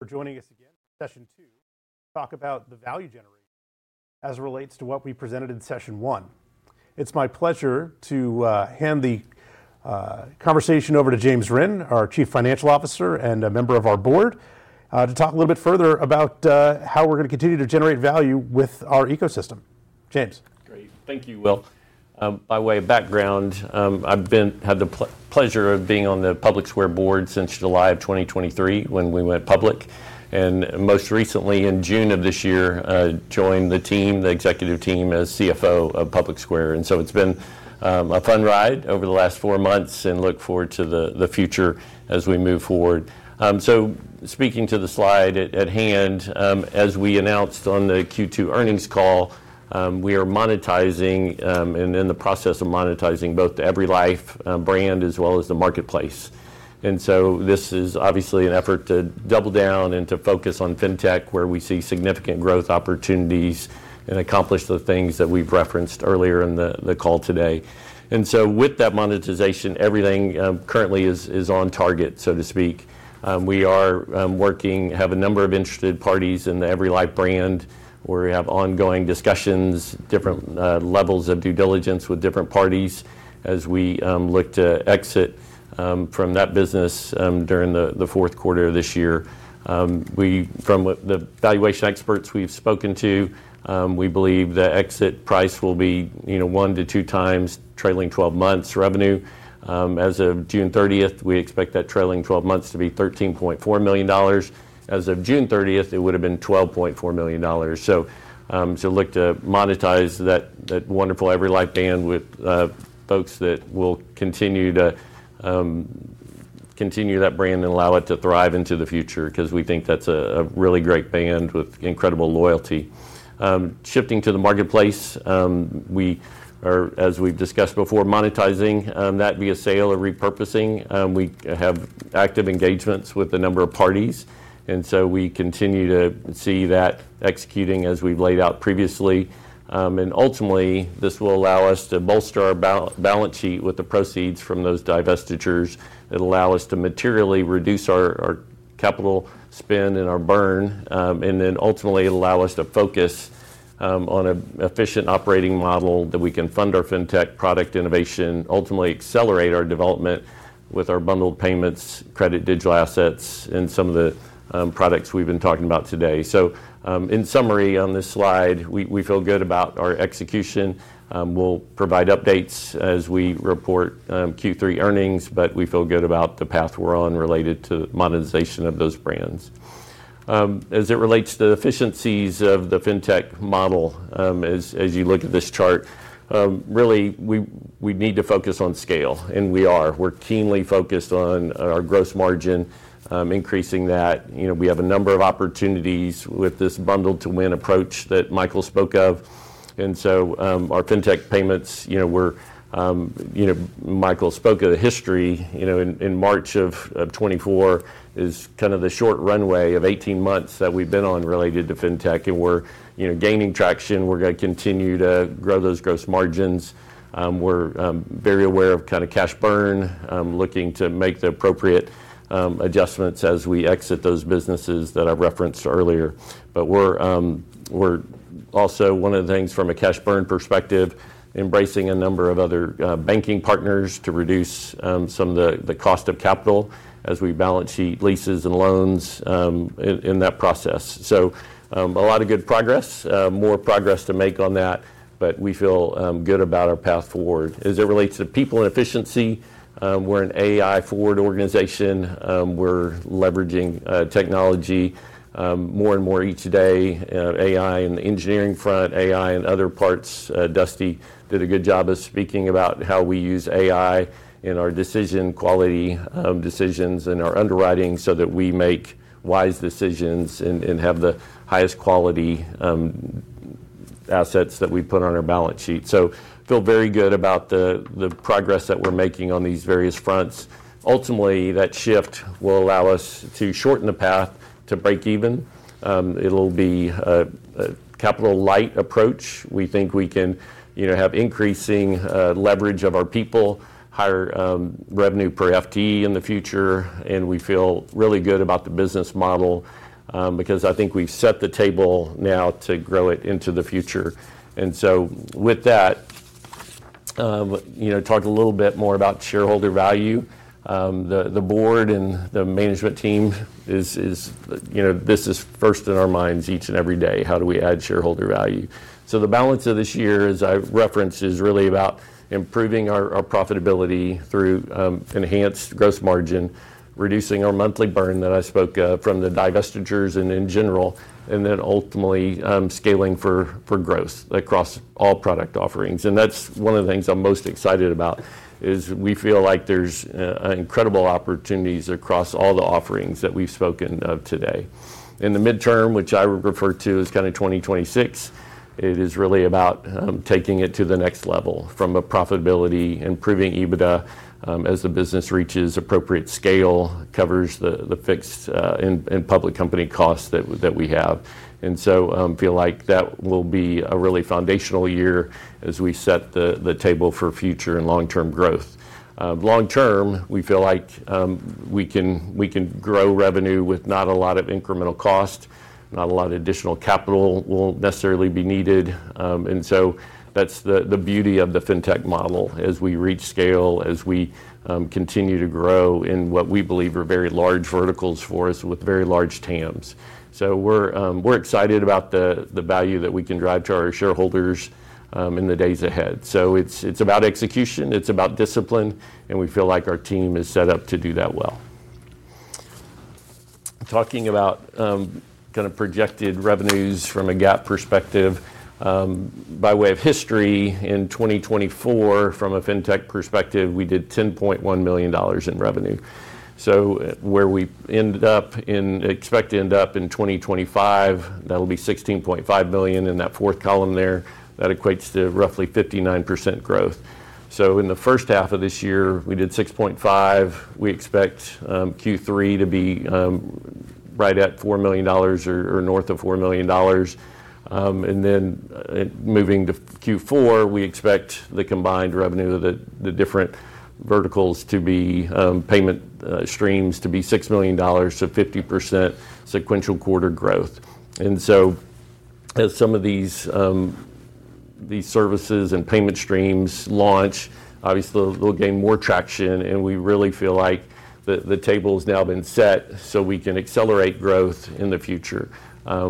You're joining us again in session two. Talk about the value generation as it relates to what we presented in session one. It's my pleasure to hand the conversation over to James Rinn, our Chief Financial Officer and a member of our board, to talk a little bit further about how we're going to continue to generate value with our ecosystem. James. Great. Thank you, Will. By way of background, I've had the pleasure of being on the PublicSquare board since July of 2023 when we went public. Most recently in June of this year, I joined the executive team as CFO of PublicSquare. It's been a fun ride over the last four months and I look forward to the future as we move forward. Speaking to the slide at hand, as we announced on the Q2 earnings call, we are monetizing and in the process of monetizing both the EveryLife brand as well as the Marketplace. This is obviously an effort to double down and to focus on fintech where we see significant growth opportunities and accomplish the things that we've referenced earlier in the call today. With that monetization, everything currently is on target, so to speak. We are working, have a number of interested parties in the EveryLife brand where we have ongoing discussions, different levels of due diligence with different parties as we look to exit from that business during the fourth quarter of this year. From the valuation experts we've spoken to, we believe the exit price will be one to two times trailing 12-month revenue. As of June 30th, we expect that trailing 12 months to be $13.4 million. As of June 30th, it would have been $12.4 million. We look to monetize that wonderful EveryLife brand with folks that will continue to continue that brand and allow it to thrive into the future because we think that's a really great brand with incredible loyalty. Shifting to the Marketplace, we are, as we've discussed before, monetizing that via sale or repurposing. We have active engagements with a number of parties. We continue to see that executing as we've laid out previously. Ultimately, this will allow us to bolster our balance sheet with the proceeds from those divestitures. It'll allow us to materially reduce our capital spend and our burn. Ultimately, it'll allow us to focus on an efficient operating model that we can fund our fintech product innovation, ultimately accelerate our development with our bundled payments, credit, digital assets, and some of the products we've been talking about today. In summary, on this slide, we feel good about our execution. We'll provide updates as we report Q3 earnings, but we feel good about the path we're on related to monetization of those brands. As it relates to the efficiencies of the fintech model, as you look at this chart, really, we need to focus on scale, and we are. We're keenly focused on our gross margin, increasing that. We have a number of opportunities with this bundled-to-win approach that Michael spoke of. Our fintech payments, Michael spoke of the history, in March of 2024 is kind of the short runway of 18 months that we've been on related to fintech. We're gaining traction. We're going to continue to grow those gross margins. We're very aware of kind of cash burn, looking to make the appropriate adjustments as we exit those businesses that I referenced earlier. One of the things from a cash burn perspective is embracing a number of other banking partners to reduce some of the cost of capital as we balance sheet leases and loans in that process. A lot of good progress, more progress to make on that, but we feel good about our path forward. As it relates to people and efficiency, we're an AI-forward organization. We're leveraging technology more and more each day. AI in the engineering front, AI in other parts. Dusty did a good job of speaking about how we use AI in our decision quality decisions and our underwriting so that we make wise decisions and have the highest quality assets that we put on our balance sheet. I feel very good about the progress that we're making on these various fronts. Ultimately, that shift will allow us to shorten the path to break even. It'll be a capital light approach. We think we can have increasing leverage of our people, higher revenue per FTE in the future. We feel really good about the business model because I think we've set the table now to grow it into the future. With that, talk a little bit more about shareholder value. The board and the management team is, this is first in our minds each and every day. How do we add shareholder value? The balance of this year, as I've referenced, is really about improving our profitability through enhanced gross margin, reducing our monthly burn that I spoke of from the divestitures and in general, and then ultimately scaling for growth across all product offerings. That's one of the things I'm most excited about, is we feel like there's incredible opportunities across all the offerings that we've spoken of today. In the midterm, which I would refer to as kind of 2026, it is really about taking it to the next level from a profitability, improving EBITDA as the business reaches appropriate scale, covers the fixed and public company costs that we have. I feel like that will be a really foundational year as we set the table for future and long-term growth. Long-term, we feel like we can grow revenue with not a lot of incremental cost, not a lot of additional capital will necessarily be needed. That's the beauty of the fintech model as we reach scale, as we continue to grow in what we believe are very large verticals for us with very large TAMs. We're excited about the value that we can drive to our shareholders in the days ahead. It's about execution, it's about discipline, and we feel like our team is set up to do that well. Talking about kind of projected revenues from a GAAP perspective, by way of history, in 2024, from a fintech perspective, we did $10.1 million in revenue. Where we ended up and expect to end up in 2025, that'll be $16.5 million in that fourth column there. That equates to roughly 59% growth. In the first half of this year, we did $6.5 million. We expect Q3 to be right at $4 million or north of $4 million. Moving to Q4, we expect the combined revenue of the different verticals to be payment streams to be $6 million to 50% sequential quarter growth. As some of these services and payment streams launch, obviously they'll gain more traction, and we really feel like the table's now been set so we can accelerate growth in the future.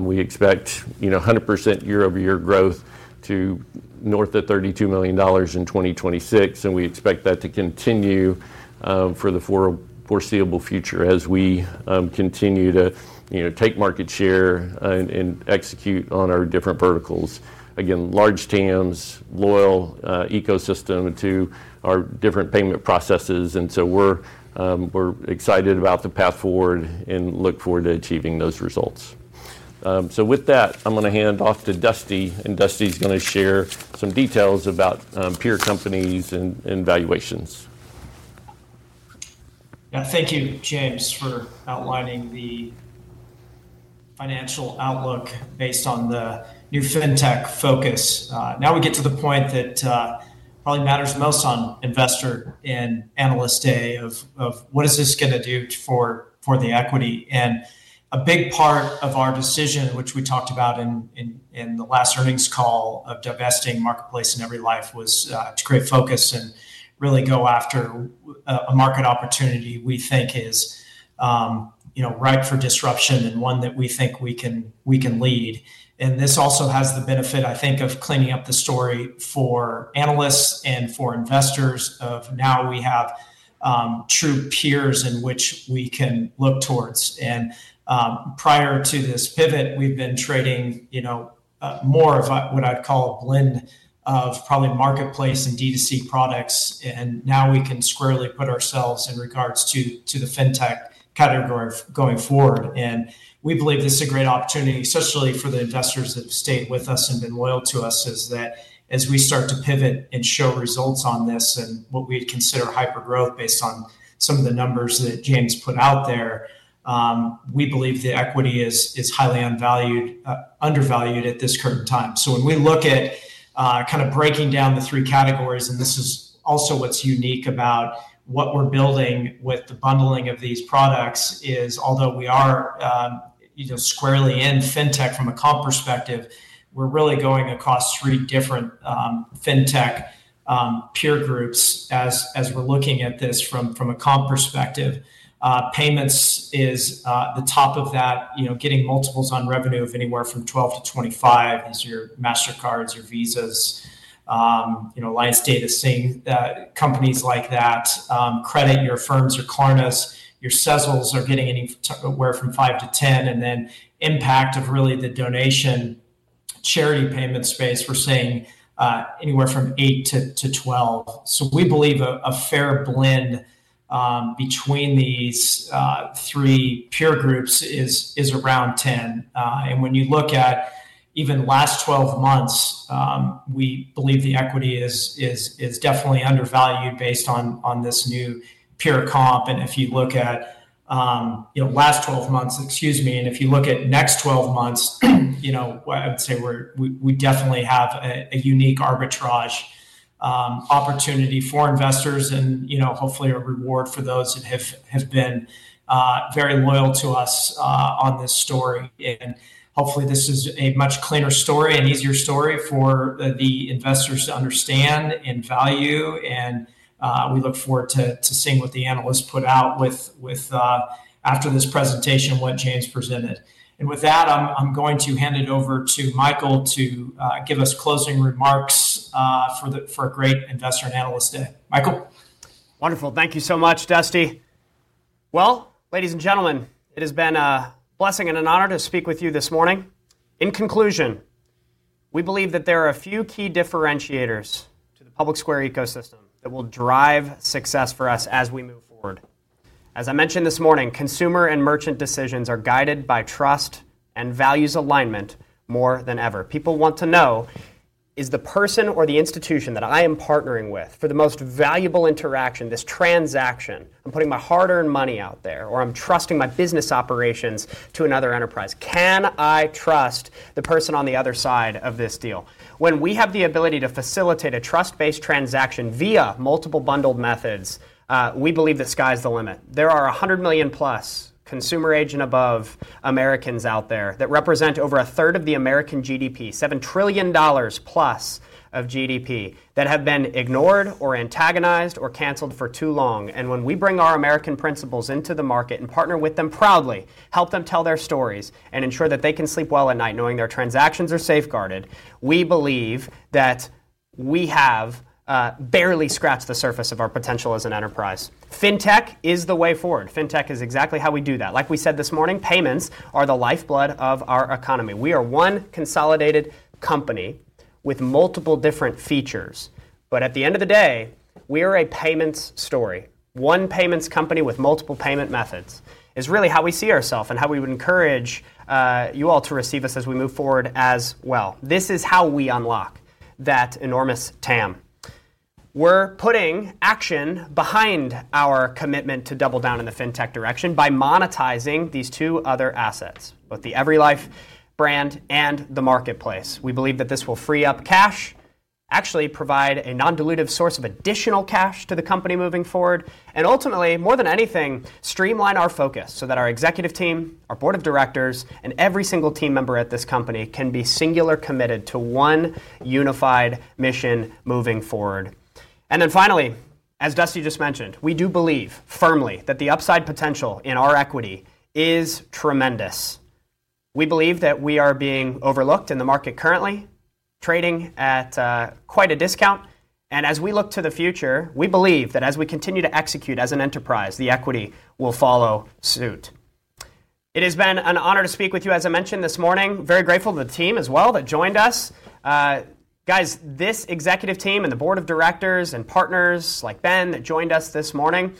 We expect 100% year-over-year growth to north of $32 million in 2026, and we expect that to continue for the foreseeable future as we continue to take market share and execute on our different verticals. Again, large TAMs, loyal ecosystem to our different payment processes. We're excited about the path forward and look forward to achieving those results. With that, I'm going to hand off to Dusty, and Dusty's going to share some details about peer companies and valuations. Yeah, thank you, James, for outlining the financial outlook based on the new fintech focus. Now we get to the point that probably matters most on investor and analyst day of what is this going to do for the equity. A big part of our decision, which we talked about in the last earnings call of divesting Marketplace and EveryLife, was to create a focus and really go after a market opportunity we think is ripe for disruption and one that we think we can lead. This also has the benefit, I think, of cleaning up the story for analysts and for investors, as now we have true peers in which we can look towards. Prior to this pivot, we've been trading more of what I'd call a blend of probably Marketplace and D2C products. Now we can squarely put ourselves in regards to the fintech category going forward. We believe this is a great opportunity, especially for the investors that stayed with us and been loyal to us, as we start to pivot and show results on this and what we consider hypergrowth based on some of the numbers that James put out there. We believe the equity is highly undervalued at this current time. When we look at kind of breaking down the three categories, and this is also what's unique about what we're building with the bundling of these products, although we are squarely in fintech from a comp perspective, we're really going across three different fintech peer groups as we're looking at this from a comp perspective. Payments is the top of that, getting multiples on revenue of anywhere from 12-25. That is your Mastercards, your Visas, companies like that. Credit, your Affirms, your Klarnas, your Cecils are getting anywhere from 5 to 10. Impact, really the donation charity payment space, we're seeing anywhere from 8 to 12. We believe a fair blend between these three peer groups is around 10. When you look at even the last 12 months, we believe the equity is definitely undervalued based on this new peer comp. If you look at last 12 months, and if you look at next 12 months, I would say we definitely have a unique arbitrage opportunity for investors and hopefully a reward for those that have been very loyal to us on this story. Hopefully this is a much cleaner story and easier story for the investors to understand and value. We look forward to seeing what the analysts put out after this presentation, what James presented. With that, I'm going to hand it over to Michael to give us closing remarks for a great investor and analyst day. Michael. Wonderful. Thank you so much, Dusty. Ladies and gentlemen, it has been a blessing and an honor to speak with you this morning. In conclusion, we believe that there are a few key differentiators to the PublicSquare ecosystem that will drive success for us as we move forward. As I mentioned this morning, consumer and merchant decisions are guided by trust and values alignment more than ever. People want to know, is the person or the institution that I am partnering with for the most valuable interaction, this transaction? I'm putting my hard-earned money out there, or I'm trusting my business operations to another enterprise. Can I trust the person on the other side of this deal? When we have the ability to facilitate a trust-based transaction via multiple bundled methods, we believe the sky's the limit. There are 100+ million consumer age and above Americans out there that represent over a third of the American GDP, $7+ trillion of GDP that have been ignored or antagonized or canceled for too long. When we bring our American principles into the market and partner with them proudly, help them tell their stories, and ensure that they can sleep well at night knowing their transactions are safeguarded, we believe that we have barely scratched the surface of our potential as an enterprise. Fintech is the way forward. Fintech is exactly how we do that. Like we said this morning, payments are the lifeblood of our economy. We are one consolidated company with multiple different features. At the end of the day, we are a payments story. One payments company with multiple payment methods is really how we see ourselves and how we would encourage you all to receive us as we move forward as well. This is how we unlock that enormous TAM. We're putting action behind our commitment to double down in the fintech direction by monetizing these two other assets, both the EveryLife brand and the Marketplace. We believe that this will free up cash, actually provide a non-dilutive source of additional cash to the company moving forward, and ultimately, more than anything, streamline our focus so that our executive team, our Board of Directors, and every single team member at this company can be singular committed to one unified mission moving forward. Finally, as Dusty just mentioned, we do believe firmly that the upside potential in our equity is tremendous. We believe that we are being overlooked in the market currently, trading at quite a discount. As we look to the future, we believe that as we continue to execute as an enterprise, the equity will follow suit. It has been an honor to speak with you, as I mentioned this morning. Very grateful to the team as well that joined us. This executive team and the Board of Directors and partners like Ben that joined us this morning,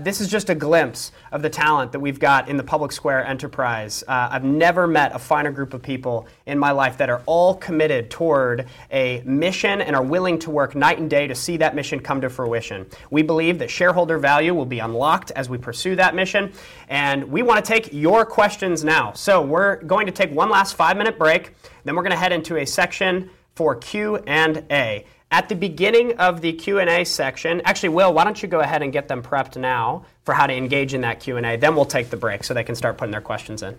this is just a glimpse of the talent that we've got in the PublicSquare enterprise. I've never met a finer group of people in my life that are all committed toward a mission and are willing to work night and day to see that mission come to fruition. We believe that shareholder value will be unlocked as we pursue that mission. We want to take your questions now. We're going to take one last five-minute break. We're going to head into a section for Q&A. At the beginning of the Q&A section, actually, Will, why don't you go ahead and get them prepped now for how to engage in that Q&A? We'll take the break so they can start putting their questions in.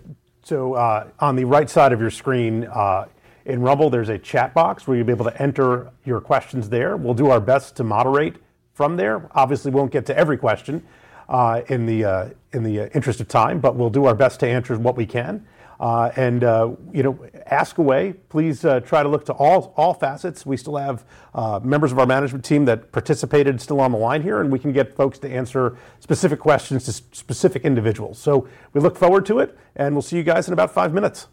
On the right side of your screen in Rumble, there's a chat box where you'll be able to enter your questions. We'll do our best to moderate from there. Obviously, we won't get to every question in the interest of time, but we'll do our best to answer what we can. Ask away. Please try to look to all facets. We still have members of our management team that participated still on the line here, and we can get folks to answer specific questions to specific individuals. We look forward to it, and we'll see you guys in about five minutes.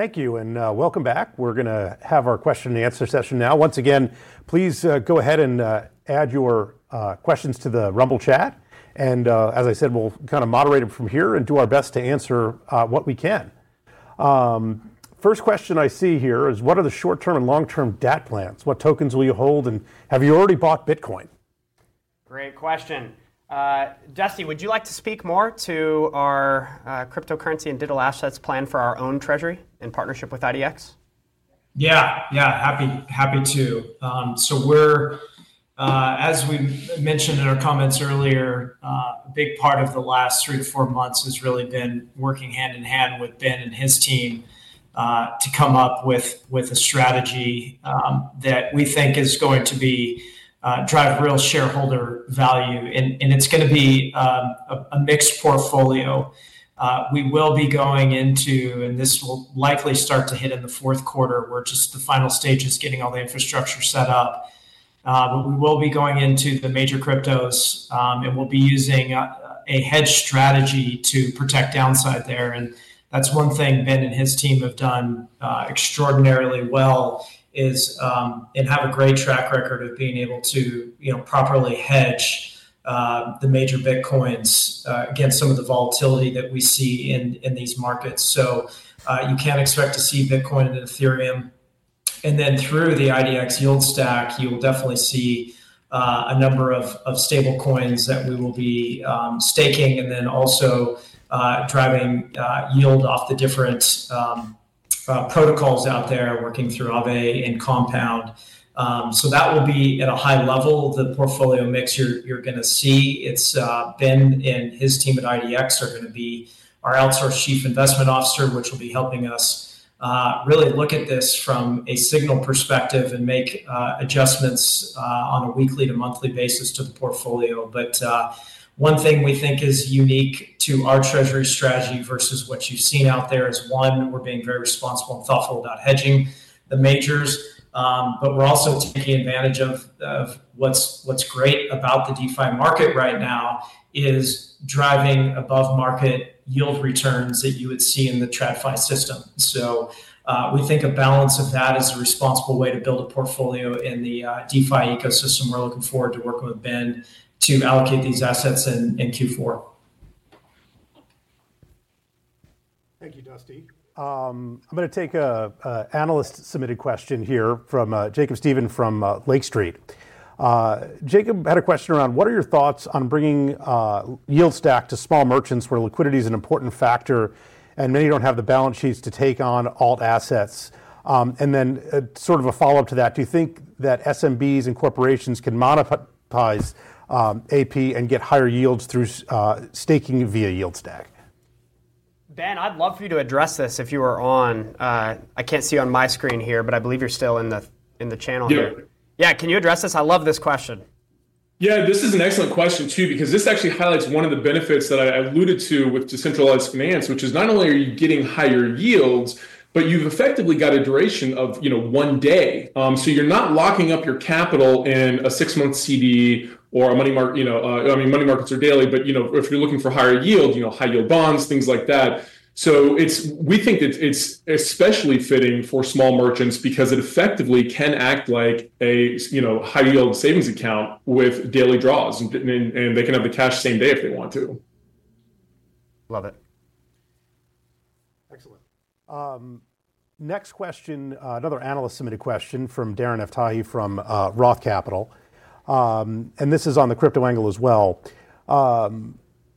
Thank you and welcome back. We're going to have our question and answer session now. Once again, please go ahead and add your questions to the Rumble chat. As I said, we'll kind of moderate it from here and do our best to answer what we can. First question I see here is, what are the short-term and long-term DAT plans? What tokens will you hold, and have you already bought Bitcoin? Great question. Dusty, would you like to speak more to our cryptocurrency and digital assets plan for our own treasury in partnership with IDX? Yeah, happy to. As we mentioned in our comments earlier, a big part of the last three to four months has really been working hand in hand with Ben and his team to come up with a strategy that we think is going to drive real shareholder value. It's going to be a mixed portfolio. We will be going into, and this will likely start to hit in the fourth quarter, where just the final stage is getting all the infrastructure set up. We will be going into the major cryptos, and we'll be using a hedge strategy to protect downside there. One thing Ben and his team have done extraordinarily well, and have a great track record of being able to properly hedge the major Bitcoins against some of the volatility that we see in these markets. You can expect to see Bitcoin and Ethereum. Through the IDX yield stack, you will definitely see a number of stable coins that we will be staking and then also driving yield off the different protocols out there, working through Aave and Compound. That will be at a high level of the portfolio mix you're going to see. Ben and his team at IDX are going to be our outsourced Chief Investment Officer, which will be helping us really look at this from a signal perspective and make adjustments on a weekly to monthly basis to the portfolio. One thing we think is unique to our treasury strategy versus what you've seen out there is, one, we're being very responsible and thoughtful about hedging the majors. We're also taking advantage of what's great about the DeFi market right now, which is driving above-market yield returns that you would see in the TradFi system. We think a balance of that is a responsible way to build a portfolio in the DeFi ecosystem. We're looking forward to working with Ben to allocate these assets in Q4. Thank you, Dusty. I'm going to take an analyst-submitted question here from Jacob Stephan from Lake Street. Jacob had a question around, what are your thoughts on bringing yield stack to small merchants where liquidity is an important factor and many don't have the balance sheets to take on alt assets? Then sort of a follow-up to that, do you think that SMBs and corporations can monetize AP and get higher yields through staking via yield stack? Ben, I'd love for you to address this if you were on. I can't see you on my screen here, but I believe you're still in the channel. Can you address this? I love this question. Yeah, this is an excellent question too, because this actually highlights one of the benefits that I alluded to with decentralized finance, which is not only are you getting higher yields, but you've effectively got a duration of, you know, one day. You're not locking up your capital in a six-month CD or a money market. I mean, money markets are daily, but if you're looking for higher yield, high yield bonds, things like that. We think it's especially fitting for small merchants because it effectively can act like a high-yield savings account with daily draws, and they can have the cash same day if they want to. Love it. Excellent. Next question, another analyst-submitted question from Darren Aftahi from Roth Capital. This is on the crypto angle as well,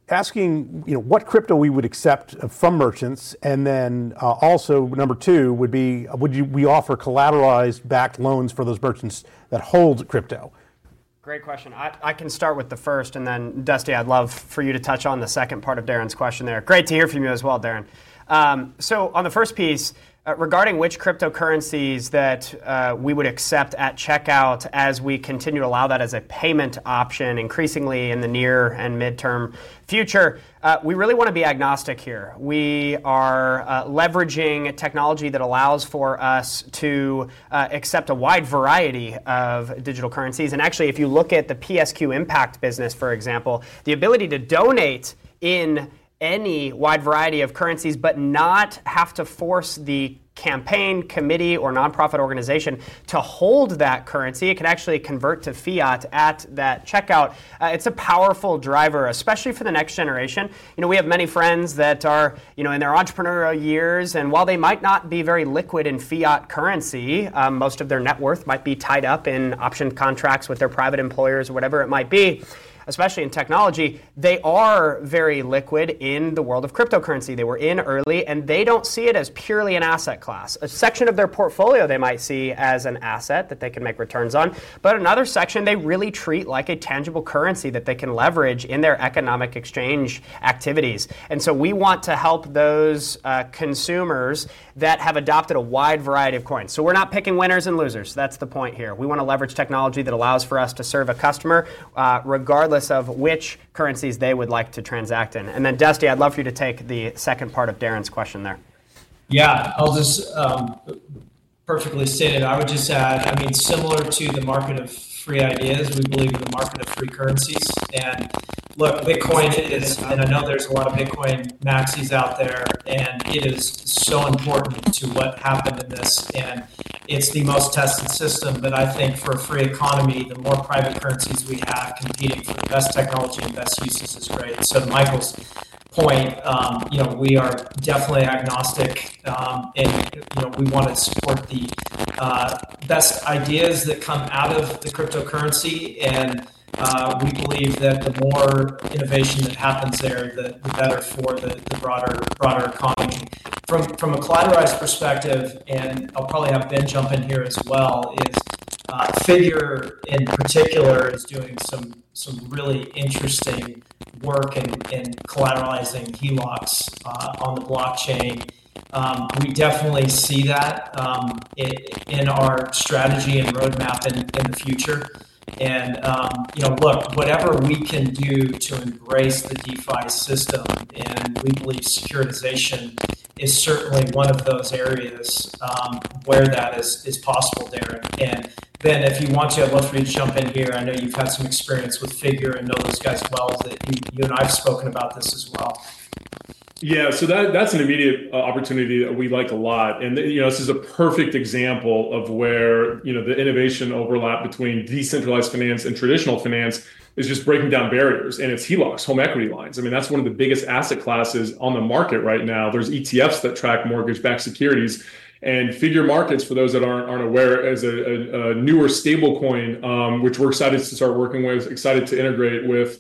asking, you know, what crypto we would accept from merchants. Number two would be, would we offer collateralized backed loans for those merchants that hold crypto? Great question. I can start with the first, and then Dusty, I'd love for you to touch on the second part of Darren's question there. Great to hear from you as well, Darren. On the first piece, regarding which cryptocurrencies that we would accept at checkout as we continue to allow that as a payment option increasingly in the near and midterm future, we really want to be agnostic here. We are leveraging technology that allows for us to accept a wide variety of digital currencies. If you look at the PSQ Impact business, for example, the ability to donate in any wide variety of currencies, but not have to force the campaign, committee, or nonprofit organization to hold that currency, it can actually convert to fiat at that checkout. It's a powerful driver, especially for the next generation. We have many friends that are in their entrepreneurial years, and while they might not be very liquid in fiat currency, most of their net worth might be tied up in option contracts with their private employers or whatever it might be, especially in technology. They are very liquid in the world of cryptocurrency. They were in early, and they don't see it as purely an asset class. A section of their portfolio they might see as an asset that they can make returns on, but another section they really treat like a tangible currency that they can leverage in their economic exchange activities. We want to help those consumers that have adopted a wide variety of coins. We're not picking winners and losers. That's the point here. We want to leverage technology that allows for us to serve a customer regardless of which currencies they would like to transact in. Dusty, I'd love for you to take the second part of Darren's question there. Yeah, I'll just perfectly say it. I would just add, similar to the market of free ideas, we believe in the market of free currencies. Look, Bitcoin is, and I know there's a lot of Bitcoin maxis out there, and it is so important to what happened in this. It's the most tested system, but I think for a free economy, the more private currencies we have competing for the best technology and best uses is great. To Michael's point, we are definitely agnostic, and we want to support the best ideas that come out of the cryptocurrency. We believe that the more innovation that happens there, the better for the broader economy. From a collateralized perspective, and I'll probably have Ben jump in here as well, Figure in particular is doing some really interesting work in collateralizing HELOCs on the blockchain. We definitely see that in our strategy and roadmap in the future. Whatever we can do to embrace the DeFi system, we believe securitization is certainly one of those areas where that is possible, Darren. Ben, if you want to, I'd love for you to jump in here. I know you've had some experience with Figure and know those guys well that you and I have spoken about this as well. Yeah, that's an immediate opportunity that we like a lot. This is a perfect example of where the innovation overlap between decentralized finance and traditional finance is just breaking down barriers. It's HELOCs, home equity lines. I mean, that's one of the biggest asset classes on the market right now. There are ETFs that track mortgage-backed securities. Figure Markets, for those that aren't aware, is a newer stablecoin, which we're excited to start working with, excited to integrate with.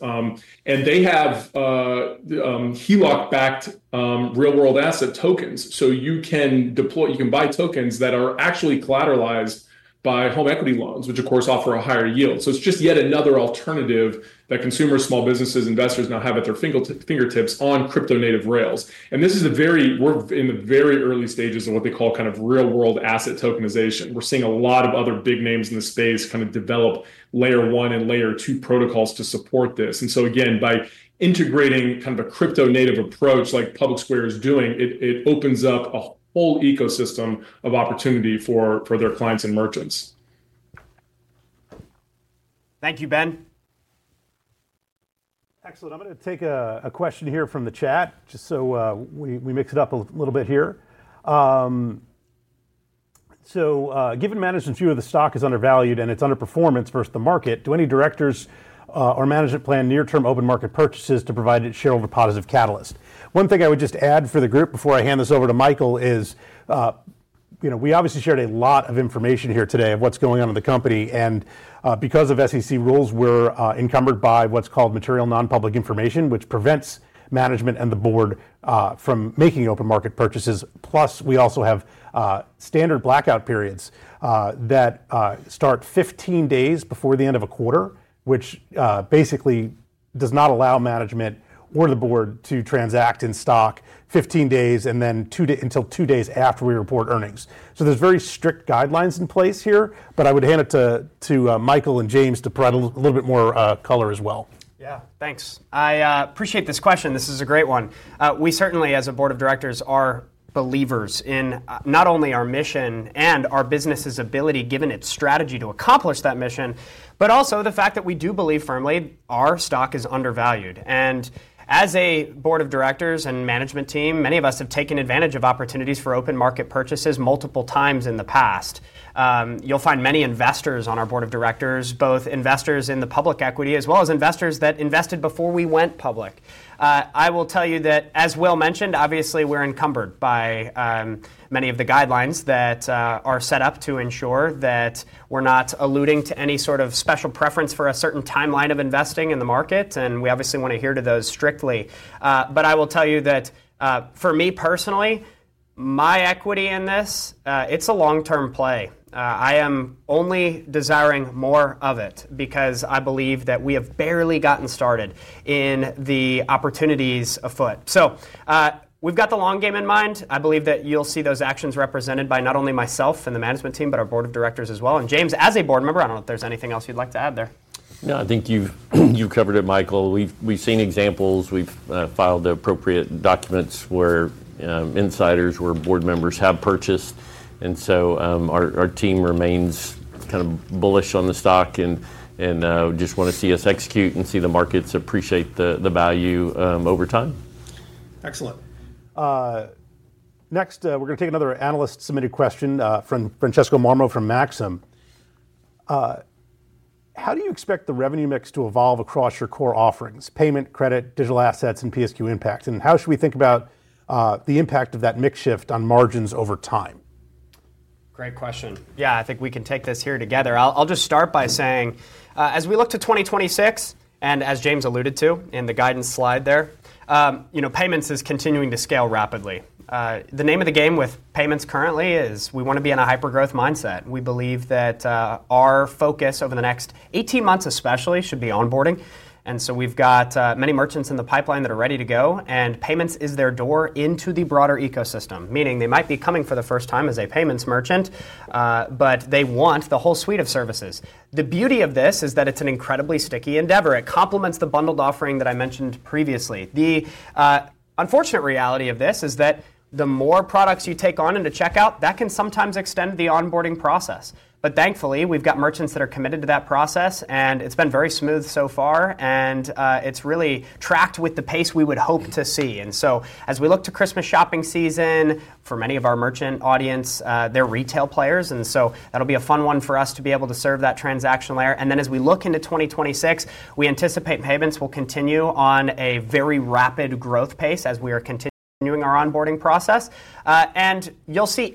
They have HELOC-backed real-world asset tokens. You can deploy, you can buy tokens that are actually collateralized by home equity loans, which of course offer a higher yield. It's yet another alternative that consumers, small businesses, investors now have at their fingertips on crypto-native rails. We're in the very early stages of what they call kind of real-world asset tokenization. We're seeing a lot of other big names in the space develop layer one and layer two protocols to support this. By integrating a crypto-native approach like PublicSquare is doing, it opens up a whole ecosystem of opportunity for their clients and merchants. Thank you, Ben. Excellent. I'm going to take a question here from the chat, just so we mix it up a little bit here. Given management's view of the stock is undervalued and its underperformance versus the market, do any directors or management plan near-term open market purchases to provide shareholder positive catalyst? One thing I would just add for the group before I hand this over to Michael is, we obviously shared a lot of information here today of what's going on in the company. Because of SEC rules, we're encumbered by what's called material non-public information, which prevents management and the board from making open market purchases. Plus, we also have standard blackout periods that start 15 days before the end of a quarter, which basically does not allow management or the board to transact in stock 15 days and then until two days after we report earnings. There are very strict guidelines in place here, but I would hand it to Michael and James to provide a little bit more color as well. Yeah, thanks. I appreciate this question. This is a great one. We certainly, as a Board of Directors, are believers in not only our mission and our business's ability, given its strategy to accomplish that mission, but also the fact that we do believe firmly our stock is undervalued. As a Board of Directors and management team, many of us have taken advantage of opportunities for open market purchases multiple times in the past. You'll find many investors on our Board of Directors, both investors in the public equity as well as investors that invested before we went public. I will tell you that, as Will mentioned, obviously we're encumbered by many of the guidelines that are set up to ensure that we're not alluding to any sort of special preference for a certain timeline of investing in the market. We obviously want to adhere to those strictly. I will tell you that for me personally, my equity in this, it's a long-term play. I am only desiring more of it because I believe that we have barely gotten started in the opportunities afoot. We've got the long game in mind. I believe that you'll see those actions represented by not only myself and the management team, but our Board of Directors as well. James, as a Board Member, I don't know if there's anything else you'd like to add there. No, I think you've covered it, Michael. We've seen examples. We've filed the appropriate documents where insiders, where board members have purchased. Our team remains kind of bullish on the stock and just want to see us execute and see the markets appreciate the value over time. Excellent. Next, we're going to take another analyst-submitted question from Francesco Marmo from Maxim. How do you expect the revenue mix to evolve across your core offerings, payment, credit, digital assets, and PSQ Impact? How should we think about the impact of that mix shift on margins over time? Great question. I think we can take this here together. I'll just start by saying, as we look to 2026, and as James alluded to in the guidance slide there, payments is continuing to scale rapidly. The name of the game with payments currently is we want to be in a hypergrowth mindset. We believe that our focus over the next 18 months, especially, should be onboarding. We've got many merchants in the pipeline that are ready to go, and payments is their door into the broader ecosystem, meaning they might be coming for the first time as a payments merchant, but they want the whole suite of services. The beauty of this is that it's an incredibly sticky endeavor. It complements the bundled offering that I mentioned previously. The unfortunate reality of this is that the more products you take on into checkout, that can sometimes extend the onboarding process. Thankfully, we've got merchants that are committed to that process, and it's been very smooth so far, and it's really tracked with the pace we would hope to see. As we look to Christmas shopping season, for many of our merchant audience, they're retail players, and it'll be a fun one for us to be able to serve that transaction layer. As we look into 2026, we anticipate payments will continue on a very rapid growth pace as we are continuing our onboarding process. You'll see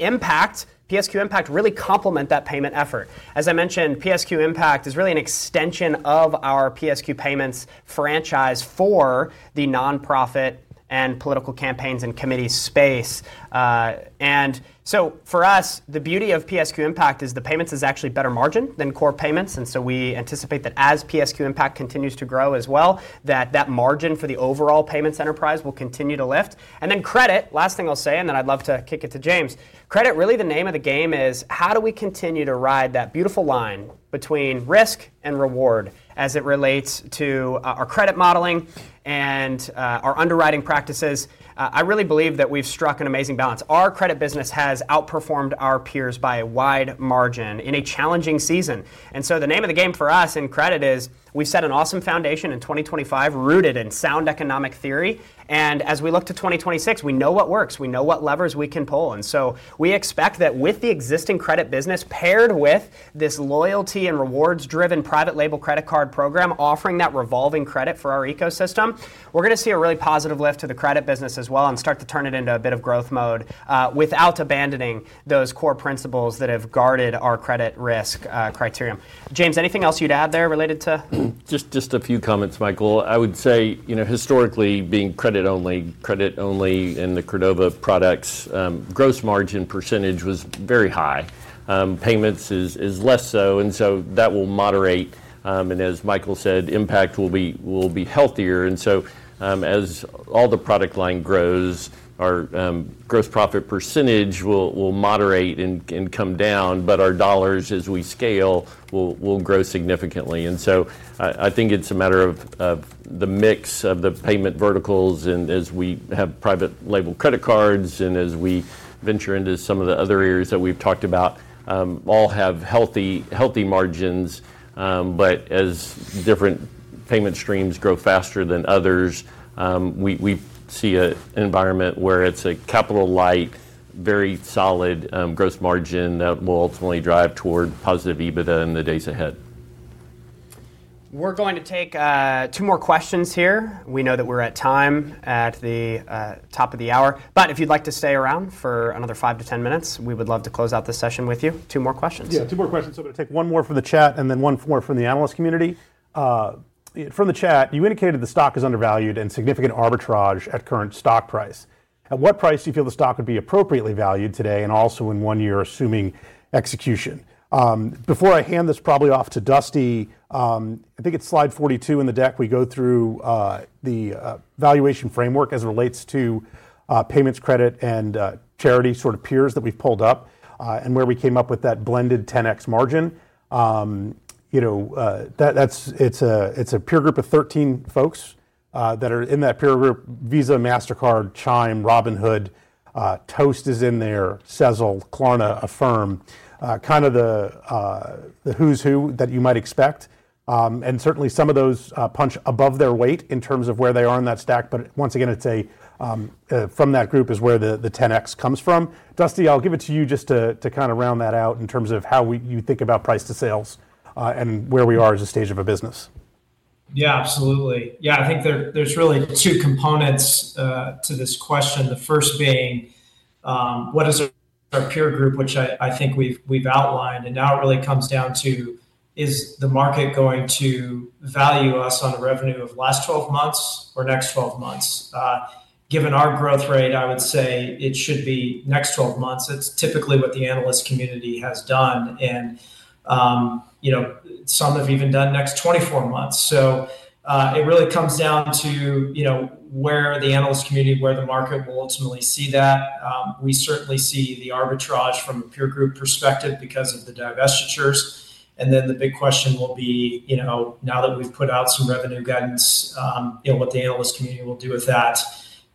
PSQ Impact really complement that payment effort. As I mentioned, PSQ Impact is really an extension of our PSQ Payments franchise for the nonprofit and political campaigns and committee space. For us, the beauty of PSQ Impact is the payments is actually better margin than core payments. We anticipate that as PSQ Impact continues to grow as well, that margin for the overall payments enterprise will continue to lift. Credit, last thing I'll say, and then I'd love to kick it to James, credit, really the name of the game is how do we continue to ride that beautiful line between risk and reward as it relates to our credit modeling and our underwriting practices. I really believe that we've struck an amazing balance. Our credit business has outperformed our peers by a wide margin in a challenging season. The name of the game for us in credit is we've set an awesome foundation in 2025 rooted in sound economic theory. As we look to 2026, we know what works. We know what levers we can pull. We expect that with the existing credit business paired with this loyalty and rewards-driven private label credit card program offering that revolving credit for our ecosystem, we're going to see a really positive lift to the credit business as well and start to turn it into a bit of growth mode without abandoning those core principles that have guarded our credit risk criteria. James, anything else you'd add there related to? Just a few comments, Michael. I would say, you know, historically being credit only, credit only in the Credova products, gross margin percent was very high. Payments is less so. That will moderate. As Michael said, impact will be healthier. As all the product line grows, our gross profit percentage will moderate and come down, but our dollars, as we scale, will grow significantly. I think it's a matter of the mix of the payment verticals. As we have private label credit cards and as we venture into some of the other areas that we've talked about, all have healthy margins. As different payment streams grow faster than others, we see an environment where it's a capital light, very solid gross margin that will ultimately drive toward positive EBITDA in the days ahead. We're going to take two more questions here. We know that we're at time at the top of the hour, but if you'd like to stay around for another five to ten minutes, we would love to close out the session with you. Two more questions. Yeah, two more questions. I'm going to take one more from the chat and then one more from the analyst community. From the chat, you indicated the stock is undervalued and significant arbitrage at current stock price. At what price do you feel the stock would be appropriately valued today and also in one year assuming execution? Before I hand this probably off to Dusty, I think it's slide 42 in the deck. We go through the valuation framework as it relates to payments, credit, and charity sort of peers that we've pulled up and where we came up with that blended 10x margin. It's a peer group of 13 folks that are in that peer group: Visa, Mastercard, Chime, Robinhood. Toast is in there, Cecil, Klarna, Affirm, kind of the who's who that you might expect. Certainly some of those punch above their weight in terms of where they are in that stack. Once again, from that group is where the 10x comes from. Dusty, I'll give it to you just to kind of round that out in terms of how you think about price to sales and where we are as a stage of a business. Yeah, absolutely. I think there's really two components to this question. The first being what is our peer group, which I think we've outlined. It really comes down to, is the market going to value us on the revenue of last 12 months or next 12 months? Given our growth rate, I would say it should be next 12 months. That's typically what the analyst community has done. Some have even done next 24 months. It really comes down to where the analyst community, where the market will ultimately see that. We certainly see the arbitrage from a peer group perspective because of the divestitures. The big question will be, now that we've put out some revenue guns, what the analyst community will do with that.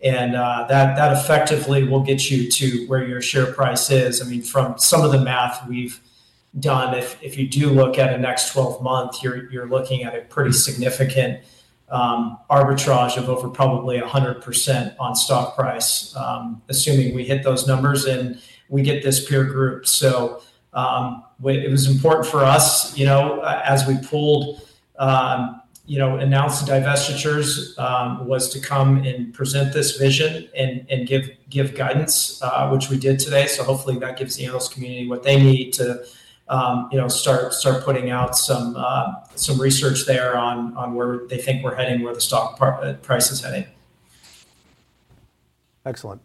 That effectively will get you to where your share price is. From some of the math we've done, if you do look at a next 12 months, you're looking at a pretty significant arbitrage of over probably 100% on stock price, assuming we hit those numbers and we get this peer group. It was important for us, as we announced the divestitures, to come and present this vision and give guidance, which we did today. Hopefully that gives the analyst community what they need to start putting out some research there on where they think we're heading, where the stock price is heading. Excellent.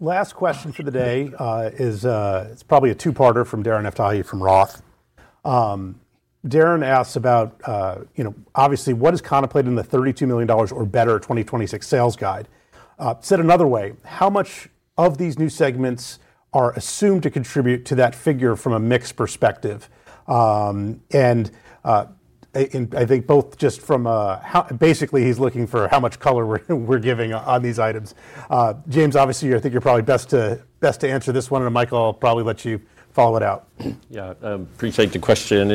Last question for the day is, it's probably a two-parter from Darren Aftahi from Roth. Darren asks about, you know, obviously what is contemplated in the $32 million or better 2026 sales guide. Said another way, how much of these new segments are assumed to contribute to that figure from a mixed perspective? I think both just from basically he's looking for how much color we're giving on these items. James, obviously, I think you're probably best to answer this one. Michael, I'll probably let you follow it out. Yeah, I appreciate the question.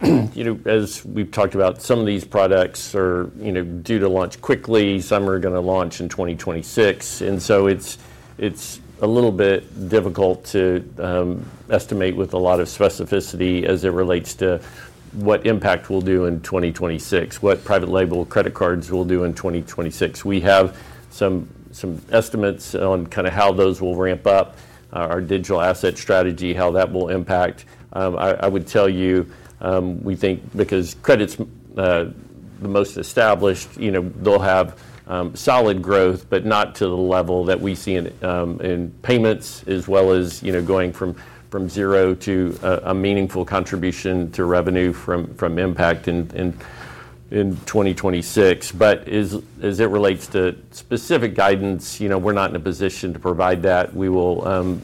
As we've talked about, some of these products are due to launch quickly. Some are going to launch in 2026. It's a little bit difficult to estimate with a lot of specificity as it relates to what Impact will do in 2026, what private label credit cards will do in 2026. We have some estimates on how those will ramp up our digital asset strategy, how that will impact. I would tell you, we think because credit's the most established, they'll have solid growth, but not to the level that we see in payments, as well as going from zero to a meaningful contribution to revenue from Impact in 2026. As it relates to specific guidance, we're not in a position to provide that. We will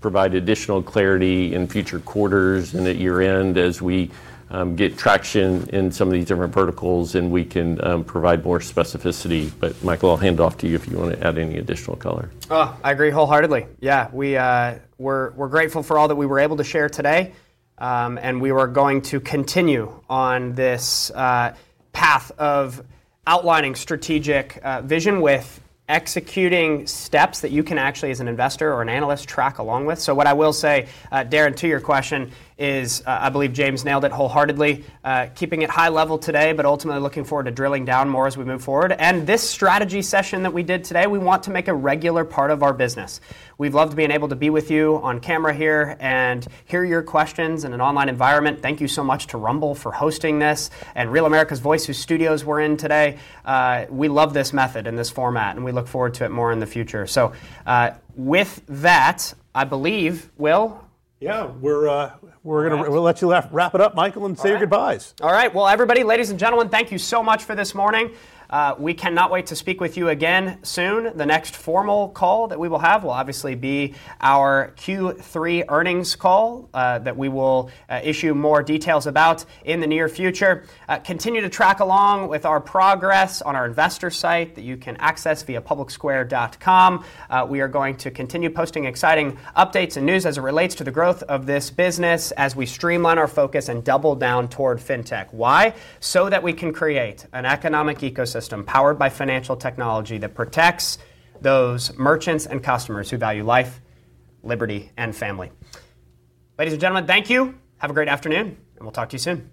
provide additional clarity in future quarters and at year-end as we get traction in some of these different verticals, and we can provide more specificity. Michael, I'll hand it off to you if you want to add any additional color. I agree wholeheartedly. We're grateful for all that we were able to share today. We are going to continue on this path of outlining strategic vision with executing steps that you can actually, as an investor or an analyst, track along with. What I will say, Darren, to your question is, I believe James nailed it wholeheartedly, keeping it high level today, but ultimately looking forward to drilling down more as we move forward. This strategy session that we did today, we want to make a regular part of our business. We've loved being able to be with you on camera here and hear your questions in an online environment. Thank you so much to Rumble for hosting this and Real America's Voice, whose studios we're in today. We love this method and this format, and we look forward to it more in the future. With that, I believe, Will. Yeah, we're going to let you wrap it up, Michael, and say your goodbyes. All right. Ladies and gentlemen, thank you so much for this morning. We cannot wait to speak with you again soon. The next formal call that we will have will obviously be our Q3 earnings call that we will issue more details about in the near future. Continue to track along with our progress on our investor site that you can access via publicsquare.com. We are going to continue posting exciting updates and news as it relates to the growth of this business as we streamline our focus and double down toward fintech. Why? So that we can create an economic ecosystem powered by financial technology that protects those merchants and customers who value life, liberty, and family. Ladies and gentlemen, thank you. Have a great afternoon, and we'll talk to you soon.